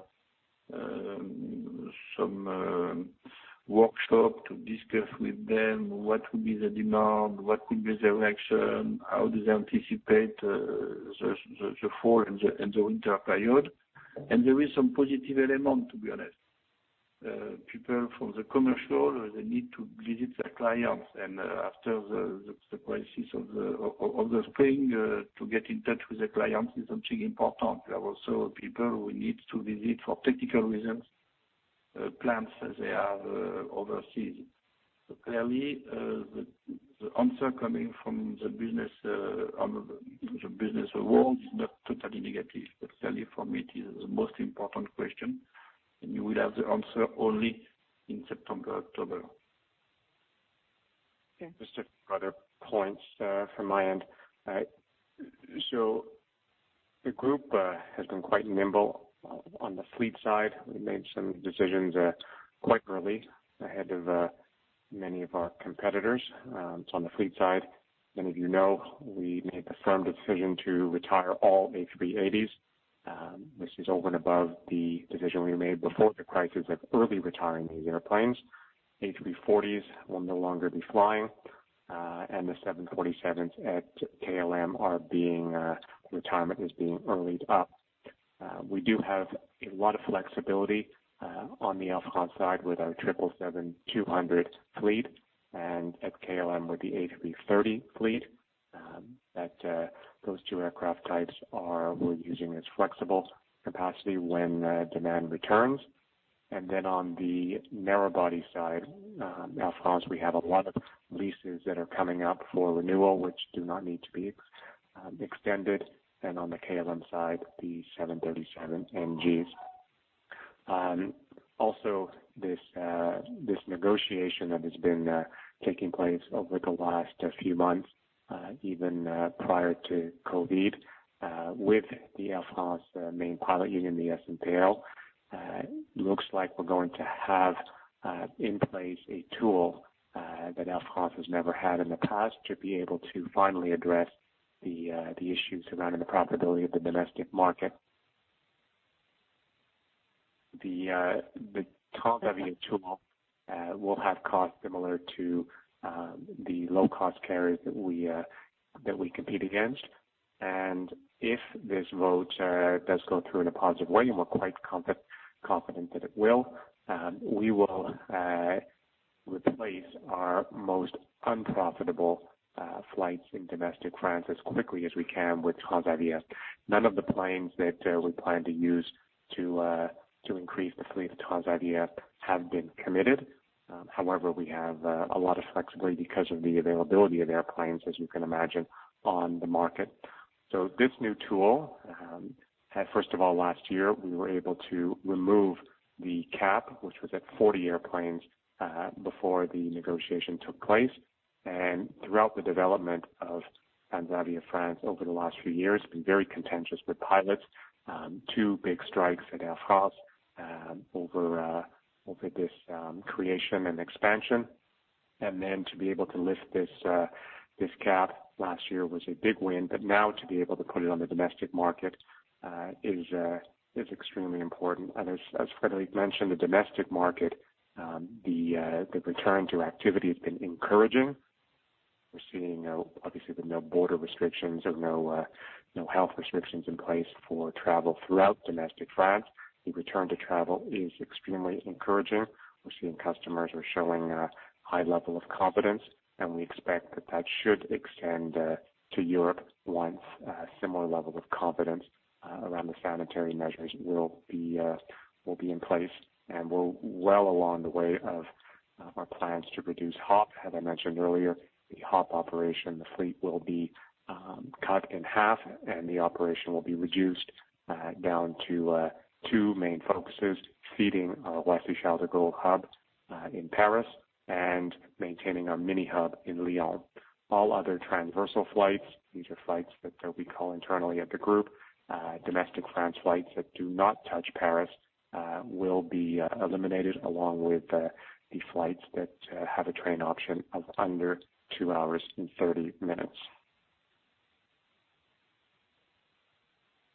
workshop to discuss with them what will be the demand, what could be the reaction, how do they anticipate the fall and the winter period. There is some positive element, to be honest. People from the commercial, they need to visit their clients, and after the crisis of the spring, to get in touch with their clients is something important. There are also people who need to visit for technical reasons, plants that they have overseas. Clearly, the answer coming from the business world is not totally negative. Clearly, for me, it is the most important question, and you will have the answer only in September, October. Just a few other points from my end. The group has been quite nimble on the fleet side. We made some decisions quite early, ahead of many of our competitors on the fleet side. Many of you know, we made the firm decision to retire all A380s. This is over and above the decision we made before the crisis of early retiring these airplanes. A340s will no longer be flying, and the 747s at KLM, retirement is being early-ed up. We do have a lot of flexibility on the Air France side with our 777-200 fleet and at KLM with the A330 fleet. Those two aircraft types we're using as flexible capacity when demand returns. On the narrow body side, Air France, we have a lot of leases that are coming up for renewal, which do not need to be extended. On the KLM side, the 737NGs. Also, this negotiation that has been taking place over the last few months, even prior to COVID-19, with the Air France main pilot union, the SNPL. Looks like we're going to have in place a tool that Air France has never had in the past to be able to finally address the issues surrounding the profitability of the domestic market. The Transavia tool will have cost similar to the low-cost carriers that we compete against. If this vote does go through in a positive way, and we're quite confident that it will, we will replace our most unprofitable flights in domestic France as quickly as we can with Transavia. None of the planes that we plan to use to increase the fleet of Transavia have been committed. We have a lot of flexibility because of the availability of airplanes, as you can imagine, on the market. This new tool, first of all, last year, we were able to remove the cap, which was at 40 airplanes, before the negotiation took place. Throughout the development of Transavia France over the last few years, it's been very contentious with pilots. Two big strikes at Air France over this creation and expansion. Then to be able to lift this cap last year was a big win. Now to be able to put it on the domestic market is extremely important. As Frédéric mentioned, the domestic market, the return to activity has been encouraging. We're seeing, obviously with no border restrictions or no health restrictions in place for travel throughout domestic France, the return to travel is extremely encouraging. We're seeing customers are showing a high level of confidence. We expect that that should extend to Europe once a similar level of confidence around the sanitary measures will be in place. We're well along the way of our plans to reduce HOP. As I mentioned earlier, the HOP operation, the fleet will be cut in half and the operation will be reduced down to two main focuses, feeding our Roissy-Charles de Gaulle hub in Paris and maintaining our mini hub in Lyon. All other transversal flights, these are flights that we call internally at the group domestic France flights that do not touch Paris, will be eliminated along with the flights that have a train option of under two hours and 30 minutes.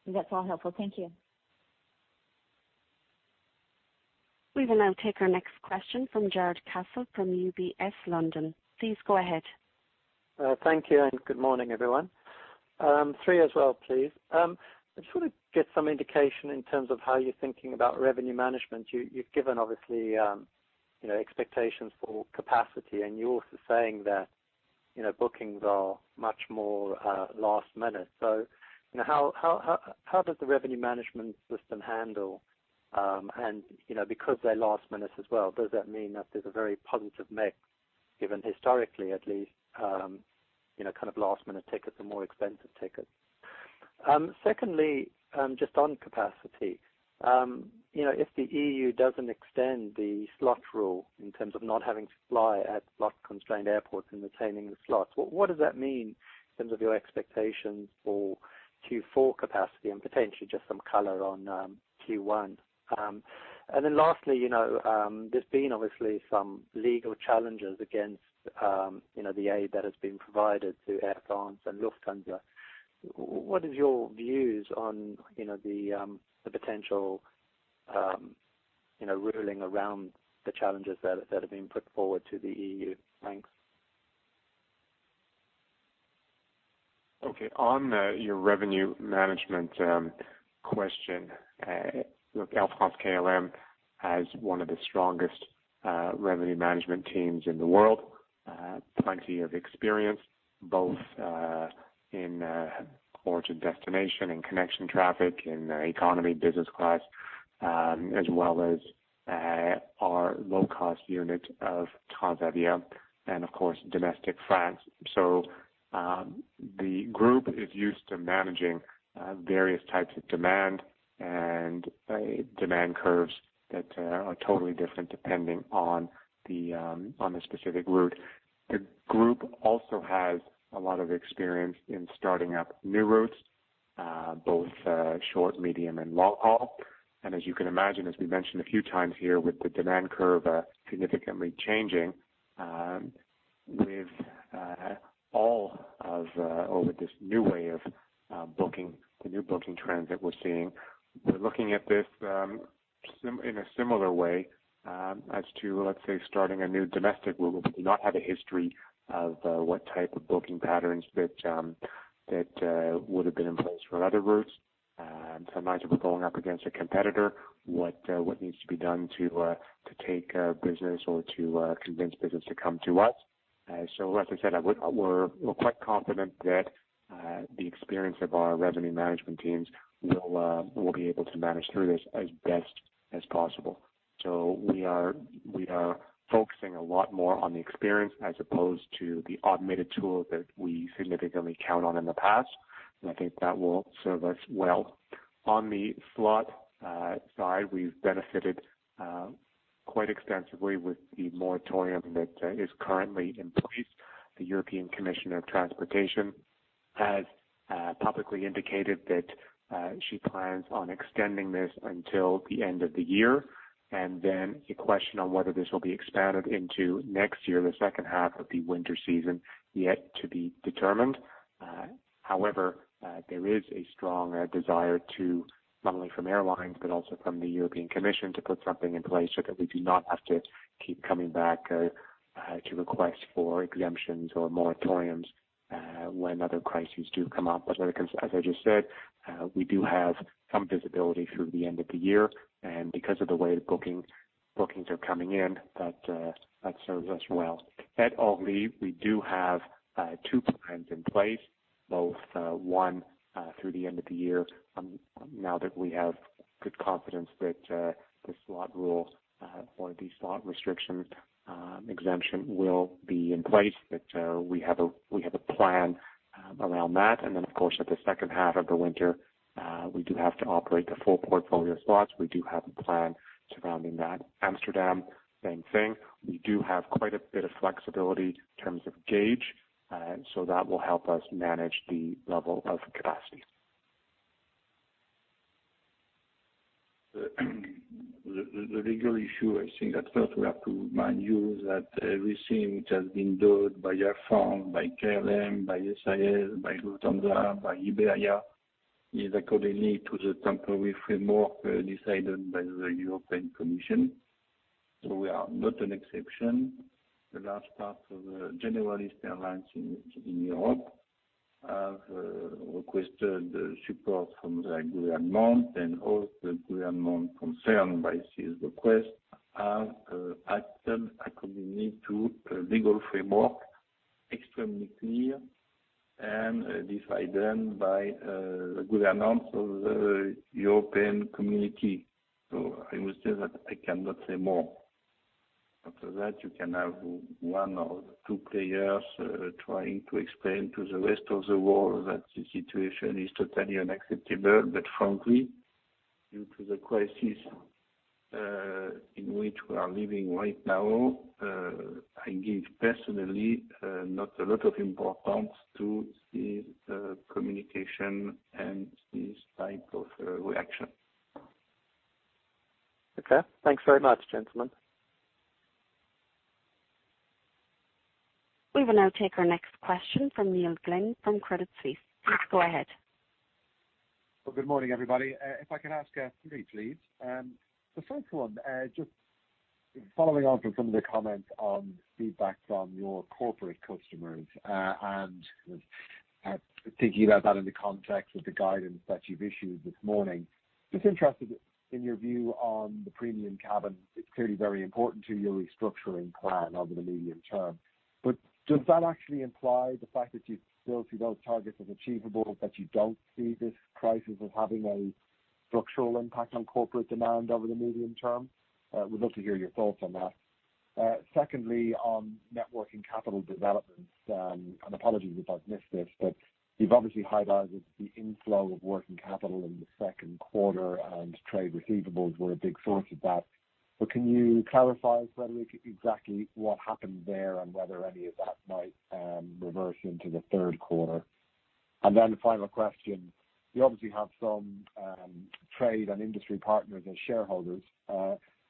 That's all helpful. Thank you. We will now take our next question from Jarrod Castle from UBS, London. Please go ahead. Thank you. Good morning, everyone. Three as well, please. I just want to get some indication in terms of how you're thinking about revenue management. You've given, obviously, expectations for capacity. You're also saying that bookings are much more last minute. How does the revenue management system handle? Because they're last minute as well, does that mean that there's a very positive mix, given historically at least, kind of last minute tickets are more expensive tickets? Secondly, just on capacity. If the EU doesn't extend the slot rule in terms of not having to fly at slot-constrained airports and retaining the slots, what does that mean in terms of your expectations for Q4 capacity and potentially just some color on Q1? Lastly, there's been obviously some legal challenges against the aid that has been provided to Air France and Lufthansa. What is your views on the potential ruling around the challenges that have been put forward to the EU? Thanks. Okay. On your revenue management question, look, Air France-KLM has one of the strongest revenue management teams in the world. Plenty of experience, both in origin, destination and connection traffic in economy, business class, as well as our low cost unit of Transavia and of course, domestic France. The group is used to managing various types of demand and demand curves that are totally different depending on the specific route. The group also has a lot of experience in starting up new routes, both short, medium, and long haul. As you can imagine, as we mentioned a few times here, with the demand curve significantly changing with this new way of the new booking trends that we're seeing, we're looking at this in a similar way as to, let's say, starting a new domestic route where we do not have a history of what type of booking patterns that would have been in place for other routes. Sometimes if we're going up against a competitor, what needs to be done to take business or to convince business to come to us. As I said, we're quite confident that the experience of our revenue management teams will be able to manage through this as best as possible. We are focusing a lot more on the experience as opposed to the automated tool that we significantly count on in the past, and I think that will serve us well. On the slot side, we've benefited quite extensively with the moratorium that is currently in place. The European Commissioner for Transport has publicly indicated that she plans on extending this until the end of the year, and then the question on whether this will be expanded into next year, the second half of the winter season, yet to be determined. However, there is a strong desire to, not only from airlines but also from the European Commission, to put something in place so that we do not have to keep coming back to request for exemptions or moratoriums when other crises do come up. As I just said, we do have some visibility through the end of the year, and because of the way bookings are coming in, that serves us well. At Orly, we do have two plans in place, both one through the end of the year, now that we have good confidence that the slot rules or the slot restriction exemption will be in place, that we have a plan around that. Then, of course, at the second half of the winter, we do have to operate the full portfolio of slots. We do have a plan surrounding that. Amsterdam, same thing. We do have quite a bit of flexibility in terms of gauge, so that will help us manage the level of capacity. The legal issue, I think at first we have to remind you that everything which has been done by Air France, by KLM, by SAS, by Lufthansa, by Iberia, is according to the temporary framework decided by the European Commission. We are not an exception. The last part of the general airlines in Europe have requested support from the government and all the government concerned by this request have acted according to legal framework, extremely clear and decided by the government of the European community. I must say that I cannot say more. After that, you can have one or two players trying to explain to the rest of the world that the situation is totally unacceptable. Frankly, due to the crisis in which we are living right now, I give personally not a lot of importance to this communication and this type of reaction. Okay. Thanks very much, gentlemen. We will now take our next question from Neil Glynn from Credit Suisse. Please go ahead. Good morning, everybody. If I could ask three, please. The first one, just following on from some of the comments on feedback from your corporate customers and thinking about that in the context of the guidance that you've issued this morning. Just interested in your view on the premium cabin. It's clearly very important to your restructuring plan over the medium term. Does that actually imply the fact that you still see those targets as achievable, that you don't see this crisis as having a structural impact on corporate demand over the medium term? Would love to hear your thoughts on that. Secondly, on net working capital developments, and apologies if I've missed this, but you've obviously highlighted the inflow of working capital in the second quarter, and trade receivables were a big source of that. Can you clarify, Frédéric, exactly what happened there and whether any of that might reverse into the third quarter? The final question. You obviously have some trade and industry partners as shareholders.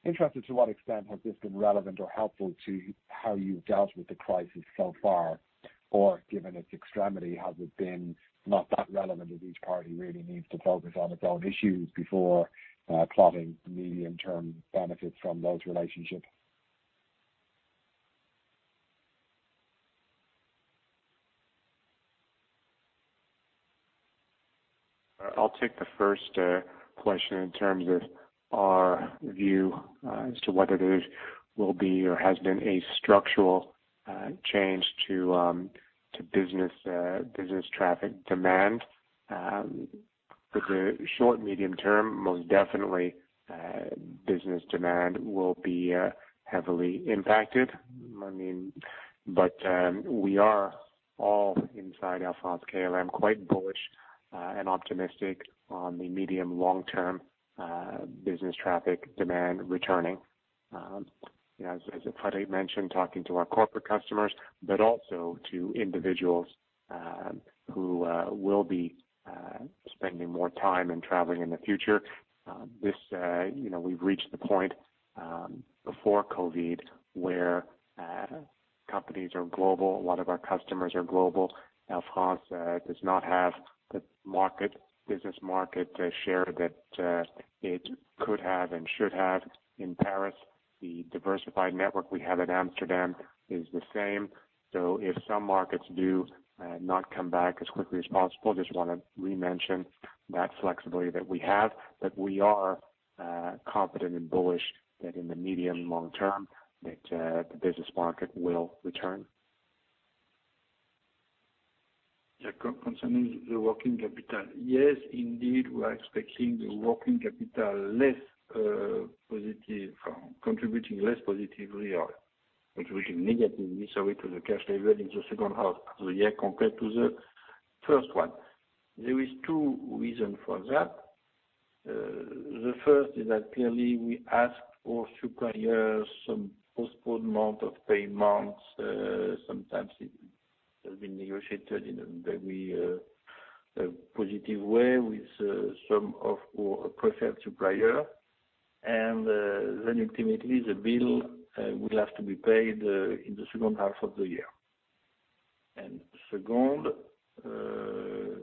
Interested to what extent has this been relevant or helpful to how you've dealt with the crisis so far? Given its extremity, has it been not that relevant as each party really needs to focus on its own issues before plotting medium-term benefits from those relationships? I'll take the first question in terms of our view as to whether there will be or has been a structural change to business traffic demand. For the short, medium term, most definitely, business demand will be heavily impacted. We are all inside Air France-KLM quite bullish and optimistic on the medium, long-term business traffic demand returning. As Frédéric mentioned, talking to our corporate customers, but also to individuals who will be spending more time and traveling in the future. We've reached the point, before COVID-19, where companies are global. A lot of our customers are global. Air France does not have the business market share that it could have and should have in Paris. The diversified network we have at Amsterdam is the same. If some markets do not come back as quickly as possible, just want to re-mention that flexibility that we have, that we are confident and bullish that in the medium and long term, that the business market will return. Yeah. Concerning the working capital, yes, indeed, we are expecting the working capital contributing less positively or contributing negatively, sorry, to the cash level in the second half of the year compared to the first one. There is two reason for that. The first is that clearly we asked our suppliers some postponement of payments. Sometimes it has been negotiated in a very positive way with some of our preferred supplier. Ultimately, the bill will have to be paid in the second half of the year. Second,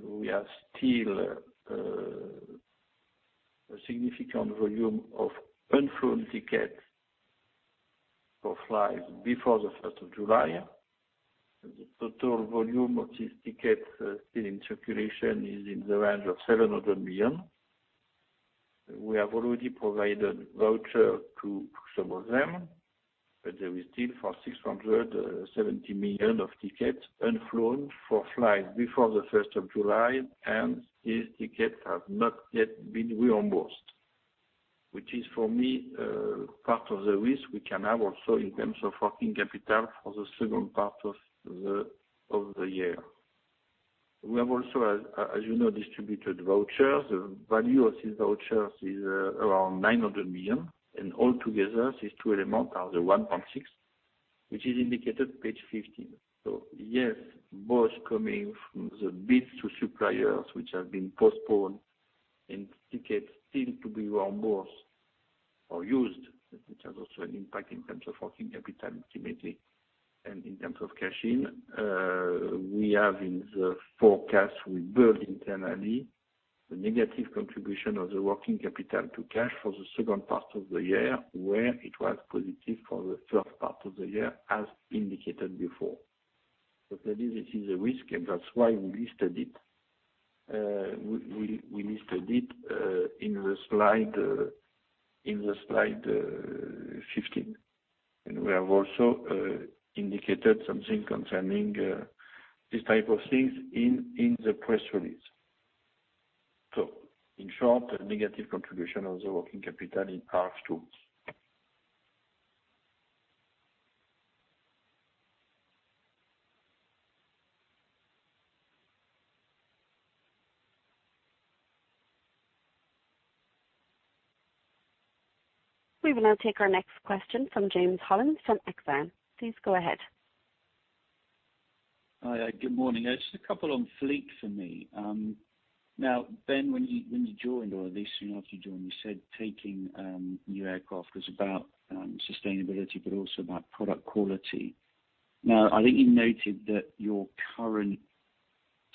we have still a significant volume of unflown ticket for flights before the 1st of July. The total volume of these tickets still in circulation is in the range of 700 million. We have already provided voucher to some of them. There is still for 670 million of tickets unflown for flights before the 1st of July. These ticket have not yet been reimbursed. Which is, for me, part of the risk we can have also in terms of working capital for the second part of the year. We have also, as you know, distributed vouchers. The value of these vouchers is around 900 million. Altogether, these two elements are the 1.6, which is indicated page 15. Yes, both coming from the bids to suppliers, which have been postponed, and tickets still to be reimbursed or used, which has also an impact in terms of working capital ultimately and in terms of cash in. We have in the forecast we build internally, the negative contribution of the working capital to cash for the second part of the year, where it was positive for the first part of the year, as indicated before. It is a risk, and that's why we listed it. We listed it in the slide 15. We have also indicated something concerning these type of things in the press release. In short, a negative contribution of the working capital in part two. We will now take our next question from James Hollins from Exane. Please go ahead. Hi. Good morning. Just a couple on fleet for me. Ben, when you joined, or at least soon after you joined, you said taking new aircraft was about sustainability but also about product quality. I think you noted that your current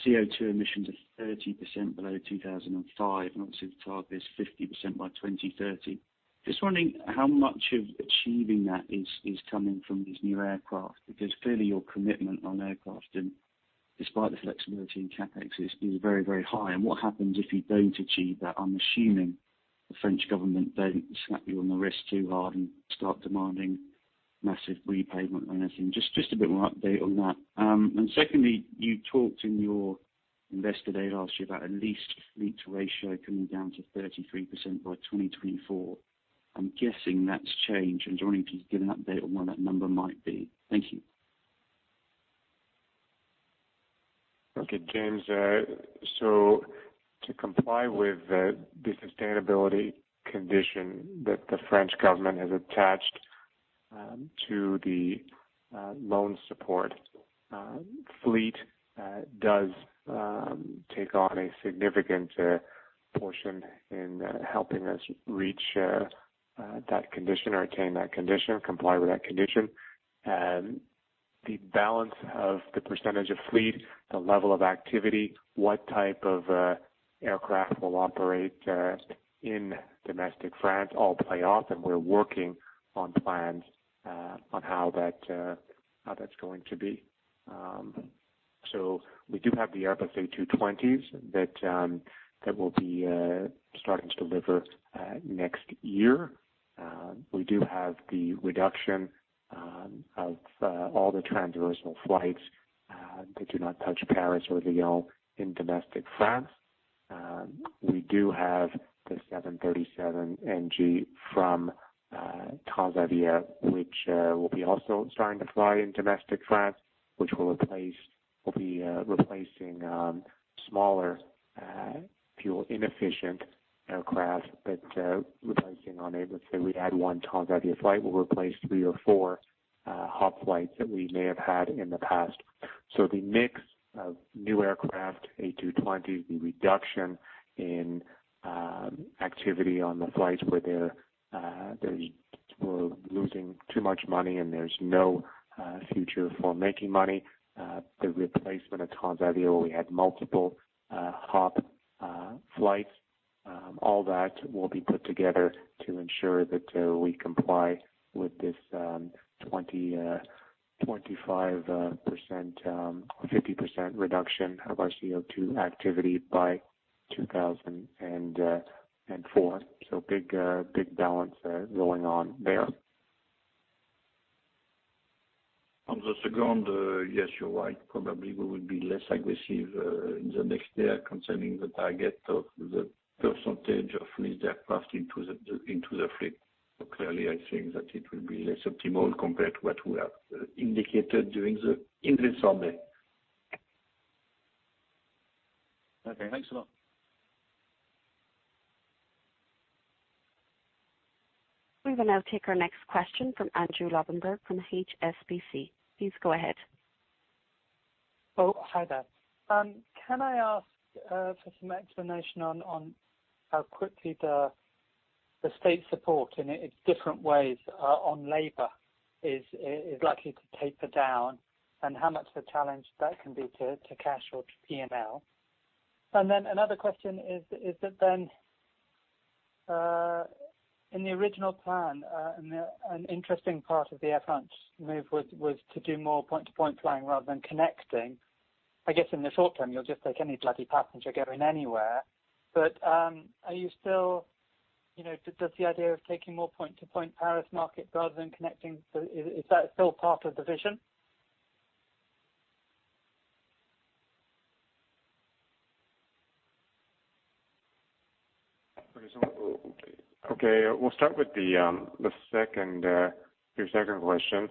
CO2 emissions are 30% below 2005, and obviously the target is 50% by 2030. Just wondering how much of achieving that is coming from these new aircraft, because clearly your commitment on aircraft and despite the flexibility in CapEx, is very high. What happens if you don't achieve that? I'm assuming the French government don't slap you on the wrist too hard and start demanding massive repayment or anything. Just a bit more update on that. Secondly, you talked in your investor day last year about a leased fleet ratio coming down to 33% by 2024. I'm guessing that's changed. I'm just wondering if you could give an update on where that number might be. Thank you. Okay, James. To comply with the sustainability condition that the French government has attached to the loan support, fleet does take on a significant portion in helping us reach that condition or attain that condition or comply with that condition. The balance of the percentage of fleet, the level of activity, what type of aircraft will operate in domestic France, all play off, and we're working on plans on how that's going to be. We do have the Airbus A220 that will be starting to deliver next year. We do have the reduction of all the transversal flights that do not touch Paris or Lyon in domestic France. We do have the 737NG from Transavia, which will be also starting to fly in domestic France, which will be replacing smaller, fuel-inefficient aircraft. Replacing on a, let's say, we add one Transavia flight, we'll replace three or four hub flights that we may have had in the past. The mix of new aircraft, A220, the reduction in activity on the flights where they were losing too much money and there's no future for making money. The replacement of Transavia, where we had multiple hub flights, all that will be put together to ensure that we comply with this 50% reduction of our CO2 activity by 2004. Big balance going on there. On the second, yes, you're right. Probably we will be less aggressive in the next year concerning the target of the percentage of leased aircraft into the fleet. Clearly, I think that it will be less optimal compared to what we have indicated during the investor day. Okay, thanks a lot. We will now take our next question from Andrew Lobbenberg from HSBC. Please go ahead. Oh, hi there. Can I ask for some explanation on how quickly the state support in its different ways on labor is likely to taper down, and how much of a challenge that can be to cash or to P&L? Another question is, in the original plan, an interesting part of the Air France move was to do more point-to-point flying rather than connecting. I guess in the short term, you'll just take any bloody passenger going anywhere. Does the idea of taking more point-to-point Paris market rather than connecting, is that still part of the vision? Okay. We'll start with your second question.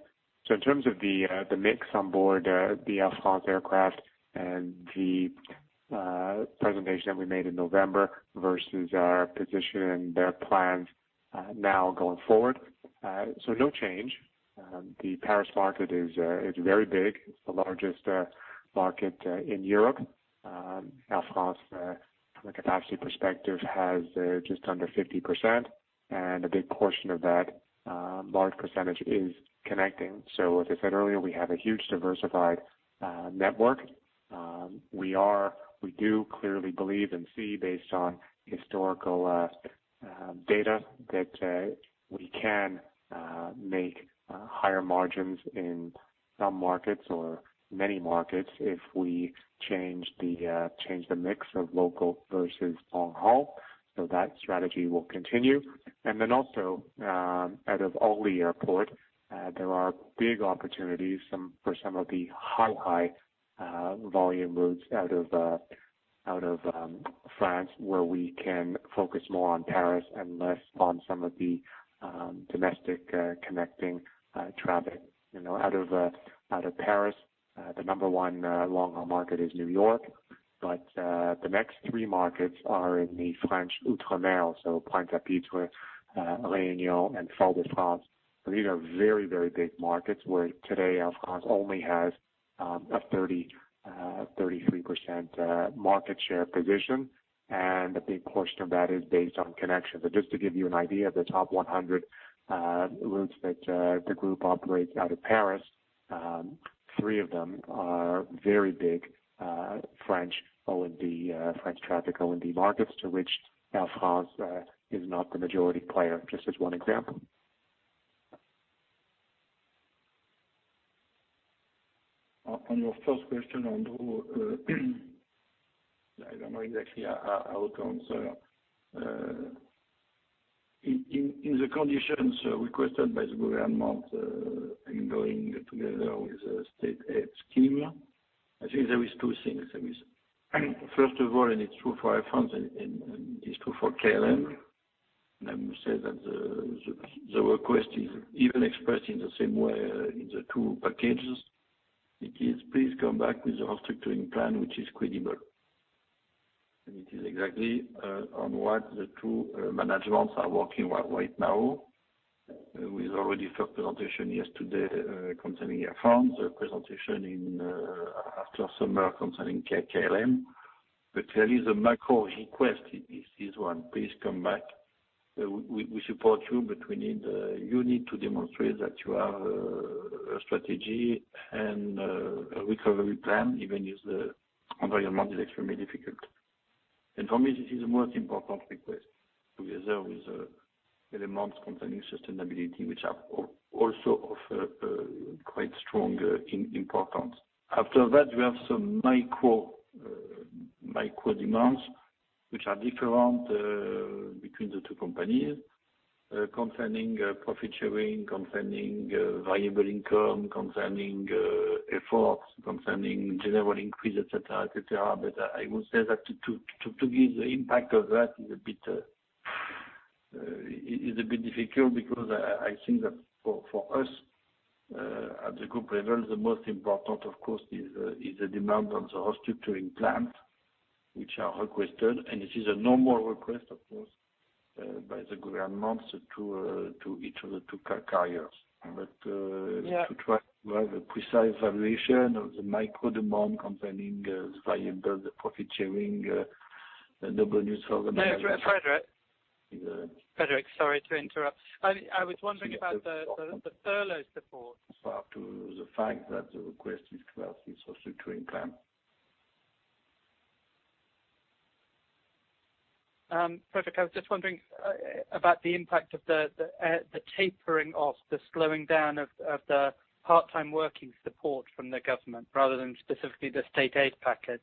In terms of the mix on board the Air France aircraft and the presentation that we made in November versus our position and their plans now going forward. No change. The Paris market is very big. It's the largest market in Europe. Air France, from a capacity perspective, has just under 50%, and a big portion of that large percentage is connecting. As I said earlier, we have a huge diversified network. We do clearly believe and see, based on historical data, that we can make higher margins in some markets, or many markets, if we change the mix of local versus long haul. That strategy will continue. Then also, out of Orly Airport, there are big opportunities for some of the high volume routes out of France, where we can focus more on Paris and less on some of the domestic connecting traffic. Out of Paris, the number 1 long-haul market is New York, but the next three markets are in the French ultramarine, so Pointe-à-Pitre, La Réunion, and Fort-de-France. These are very, very big markets where today Air France only has a 33% market share position, and a big portion of that is based on connections. Just to give you an idea of the top 100 routes that the group operates out of Paris, three of them are very big French O&D, French traffic O&D markets, to which Air France is not the majority player. Just as one example. On your first question, Andrew, I don't know exactly how to answer. In the conditions requested by the government in going together with a state aid scheme, I think there is two things. There is, first of all, and it's true for Air France and it's true for KLM. I must say that the request is even expressed in the same way in the two packages. Please come back with a restructuring plan which is credible. It is exactly on what the two managements are working right now. With already first presentation yesterday concerning Air France, a presentation after summer concerning KLM. Clearly, the macro request is one. Please come back. We support you, but you need to demonstrate that you have a strategy and a recovery plan, even if the environment is extremely difficult. For me, this is the most important request, together with elements concerning sustainability, which are also of quite strong importance. After that, we have some micro demands, which are different between the two companies. Concerning profit sharing, concerning variable income, concerning efforts, concerning general increase, et cetera. I would say that to give the impact of that is a bit difficult because I think that for us, at the group level, the most important, of course, is the demand on the whole structuring plan, which are requested. It is a normal request, of course, by the governments to each of the two carriers. Yeah. To have a precise valuation of the micro demand concerning the variable, the profit sharing, the bonus organization. Frédéric? Yes. Frédéric, sorry to interrupt. I was wondering about the furlough support. To the fact that the request is about the social restructuring plan. Frédéric, I was just wondering about the impact of the tapering off, the slowing down of the part-time working support from the government, rather than specifically the state aid package.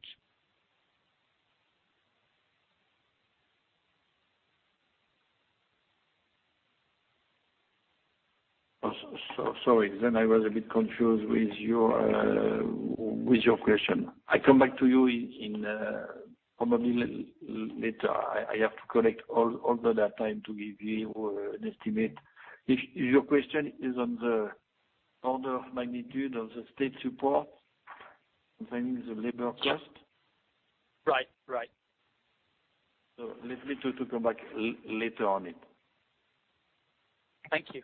Sorry. I was a bit confused with your question. I come back to you probably later. I have to collect all the data to give you an estimate. If your question is on the order of magnitude of the state support concerning the labor cost? Yes. Right. Let me to come back later on it. Thank you.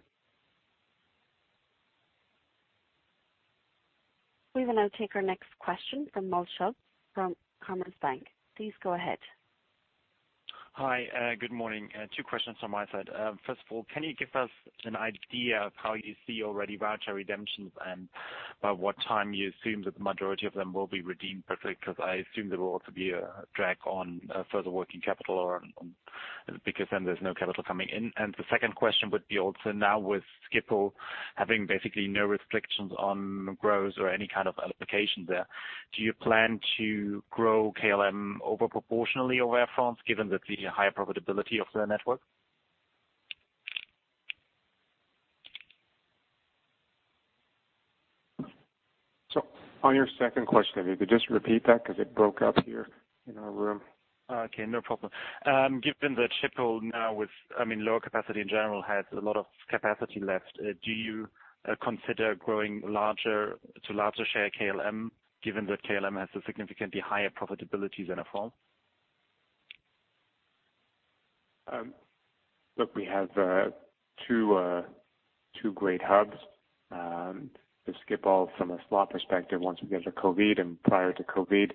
We will now take our next question from Malte Schulz from Commerzbank. Please go ahead. Hi, good morning. Two questions from my side. First of all, can you give us an idea of how you see already voucher redemptions and by what time you assume that the majority of them will be redeemed, Frédéric? Because I assume there will also be a drag on further working capital because then there's no capital coming in. The second question would be also now with Schiphol having basically no restrictions on growth or any kind of allocation there, do you plan to grow KLM over proportionally over Air France, given the higher profitability of their network? Sorry. On your second question, could you just repeat that? Because it broke up here in our room. Okay, no problem. Given that Schiphol now with, lower capacity in general, has a lot of capacity left, do you consider growing to larger share KLM, given that KLM has a significantly higher profitability than Air France? Look, we have two great hubs. The Schiphol from a slot perspective, once we get to COVID and prior to COVID,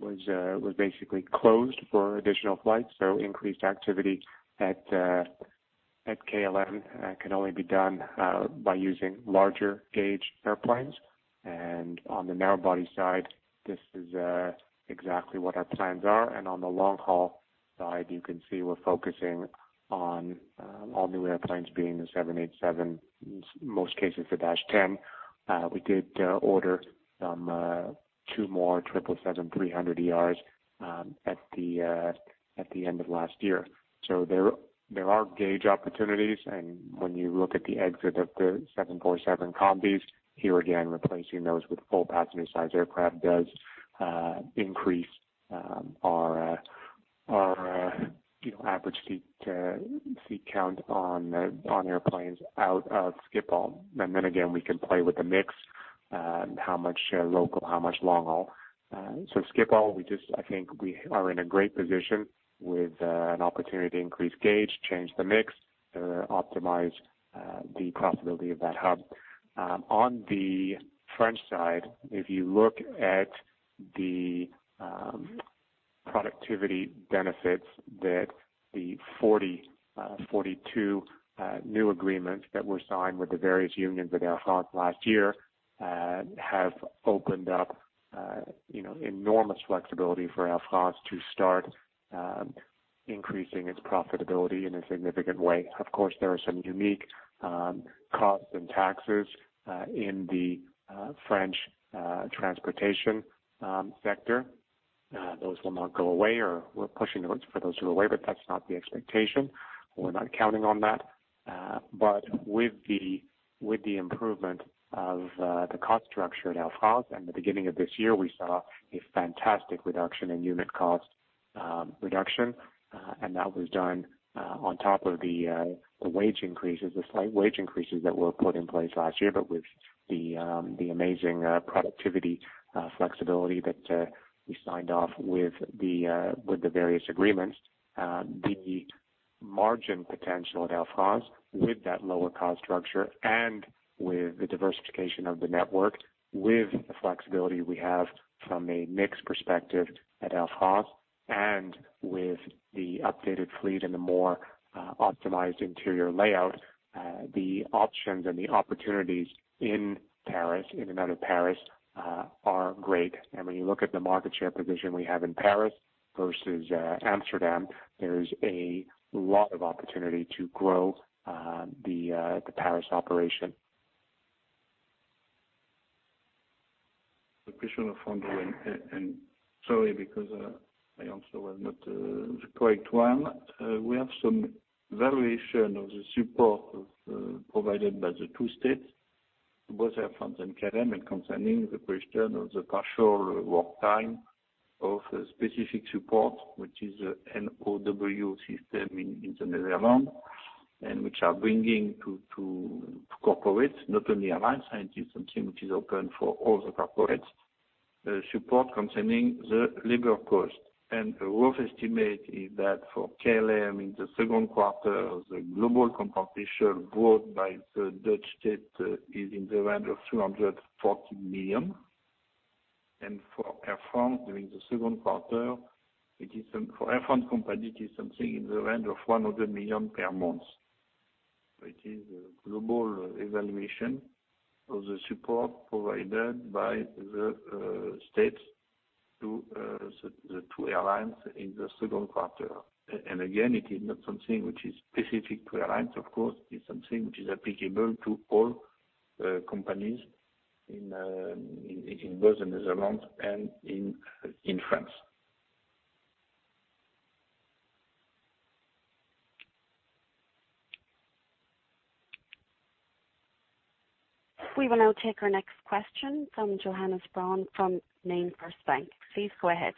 was basically closed for additional flights. Increased activity at KLM can only be done by using larger gauge airplanes. On the narrow body side, this is exactly what our plans are. On the long haul side, you can see we're focusing on all new airplanes being the 787, most cases the dash 10. We did order two more 777-300ERs at the end of last year. There are gauge opportunities, and when you look at the exit of the 747 combis, here again, replacing those with full passenger size aircraft does increase our average seat count on airplanes out of Schiphol. Then again, we can play with the mix and how much local, how much long haul. Schiphol, I think we are in a great position with an opportunity to increase gauge, change the mix, optimize the profitability of that hub. On the French side, if you look at the productivity benefits that the 42 new agreements that were signed with the various unions at Air France last year have opened up enormous flexibility for Air France to start increasing its profitability in a significant way. Of course, there are some unique costs and taxes in the French transportation sector. Those will not go away, or we're pushing for those to go away, but that's not the expectation. We're not counting on that. With the improvement of the cost structure at Air France and the beginning of this year, we saw a fantastic reduction in unit cost reduction. That was done on top of the slight wage increases that were put in place last year. With the amazing productivity flexibility that we signed off with the various agreements, the margin potential at Air France with that lower cost structure and with the diversification of the network, with the flexibility we have from a mix perspective at Air France and with the updated fleet and the more optimized interior layout, the options and the opportunities in and out of Paris are great. When you look at the market share position we have in Paris versus Amsterdam, there is a lot of opportunity to grow the Paris operation. The question of funding, sorry, because I also was not the correct one. We have some variation of the support provided by the two states, both Air France and KLM, concerning the question of the partial work time of specific support, which is NOW system in the Netherlands, which are bringing to corporates, not only airlines, I think it's something which is open for all the corporates, support concerning the labor cost. A rough estimate is that for KLM in the second quarter, the global compensation brought by the Dutch state is in the range of 340 million. For Air France during the second quarter, for Air France company, it is something in the range of 100 million per month. It is a global evaluation of the support provided by the states to the two airlines in the second quarter. Again, it is not something which is specific to airlines, of course. It's something which is applicable to all companies in both the Netherlands and in France. We will now take our next question from Johannes Braun from MainFirst Bank. Please go ahead.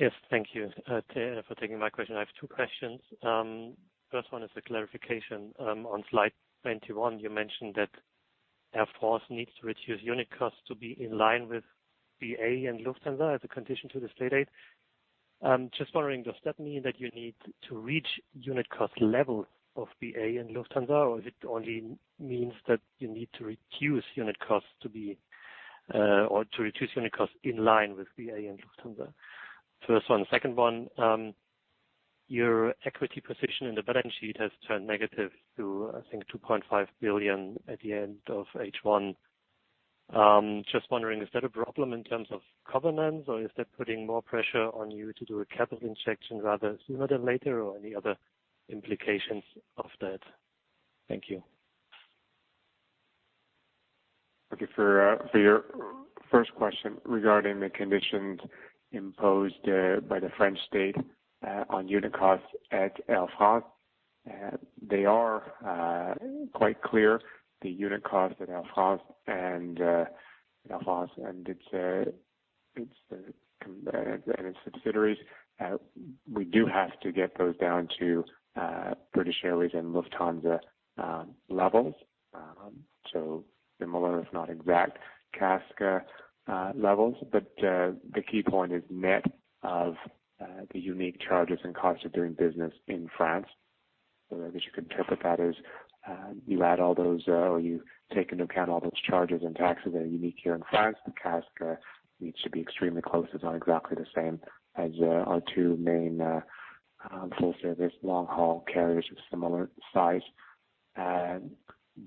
Yes. Thank you for taking my question. I have two questions. First one is a clarification. On slide 21, you mentioned that Air France needs to reduce unit costs to be in line with BA and Lufthansa as a condition to the state aid. Just wondering, does that mean that you need to reach unit cost level of BA and Lufthansa, or is it only means that you need to reduce unit costs in line with BA and Lufthansa? First one. Second one, your equity position in the balance sheet has turned negative to, I think, 2.5 billion at the end of H1. Just wondering, is that a problem in terms of governance, or is that putting more pressure on you to do a capital injection rather sooner than later, or any other implications of that? Thank you. Okay, for your first question regarding the conditions imposed by the French state on unit costs at Air France, they are quite clear. The unit cost at Air France and its subsidiaries, we do have to get those down to British Airways and Lufthansa levels. Similar, if not exact, CASK levels. The key point is net of the unique charges and costs of doing business in France. I guess you could interpret that as you add all those, or you take into account all those charges and taxes that are unique here in France, the CASK needs to be extremely close to, or exactly the same as, our two main full-service long-haul carriers of similar size.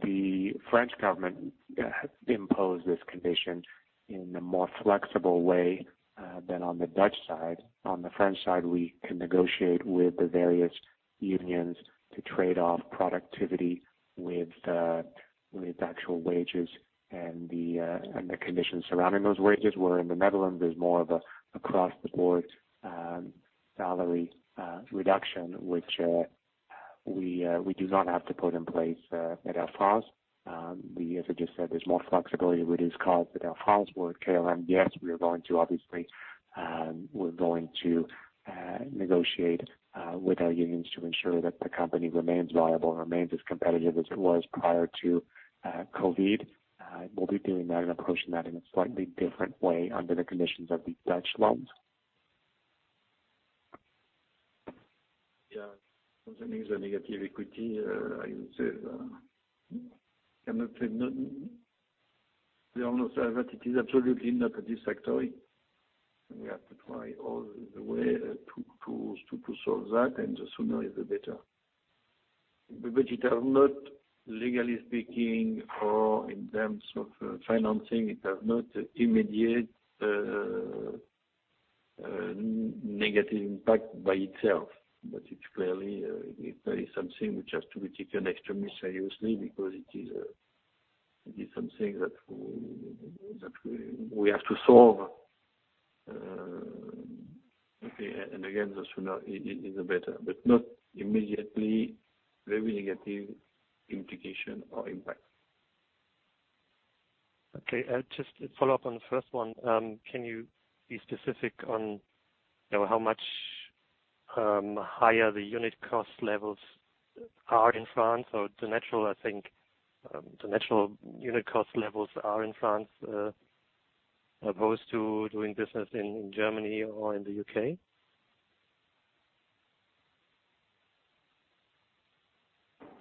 The French government imposed this condition in a more flexible way than on the Dutch side. On the French side, we can negotiate with the various unions to trade off productivity with actual wages and the conditions surrounding those wages. In the Netherlands, there's more of a across-the-board salary reduction, which we do not have to put in place at Air France. As I just said, there's more flexibility with these costs at Air France, where at KLM, yes, we are going to, obviously, negotiate with our unions to ensure that the company remains viable and remains as competitive as it was prior to COVID. We'll be doing that and approaching that in a slightly different way under the conditions of the Dutch loans. Yeah. Concerning the negative equity, I would say, we all know that it is absolutely not satisfactory, and we have to try all the way to solve that, and the sooner, the better. It has not, legally speaking or in terms of financing, it has not immediate negative impact by itself. It's clearly something which has to be taken extremely seriously, because it is something that we have to solve. Okay. Again, the sooner is the better, but not immediately very negative implication or impact. Okay. I'll just follow up on the first one. Can you be specific on how much higher the unit cost levels are in France, or I think, the natural unit cost levels are in France, opposed to doing business in Germany or in the U.K.?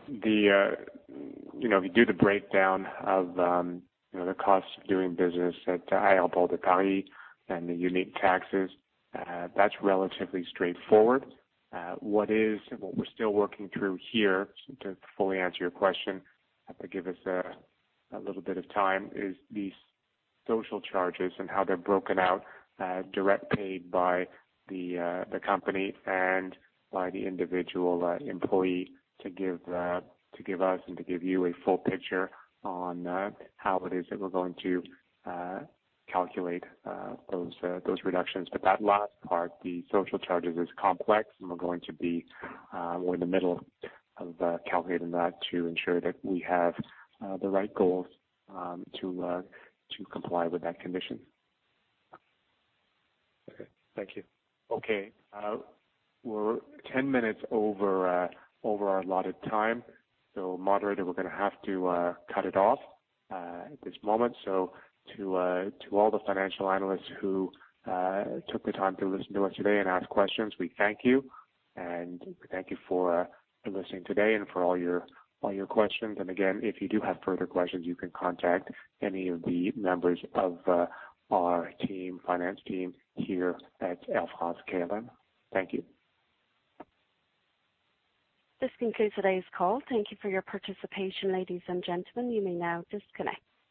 If you do the breakdown of the cost of doing business at Aéroports de Paris and the unique taxes, that's relatively straightforward. What we're still working through here, to fully answer your question, have to give us a little bit of time, is these social charges and how they're broken out direct paid by the company and by the individual employee to give us and to give you a full picture on how it is that we're going to calculate those reductions. That last part, the social charges, is complex, and we're in the middle of calculating that to ensure that we have the right goals to comply with that condition. Okay. Thank you. Okay. We're 10 minutes over our allotted time. Moderator, we're going to have to cut it off at this moment. To all the financial analysts who took the time to listen to us today and ask questions, we thank you. We thank you for listening today and for all your questions. Again, if you do have further questions, you can contact any of the members of our finance team here at Air France-KLM. Thank you. This concludes today's call. Thank you for your participation, ladies and gentlemen. You may now disconnect.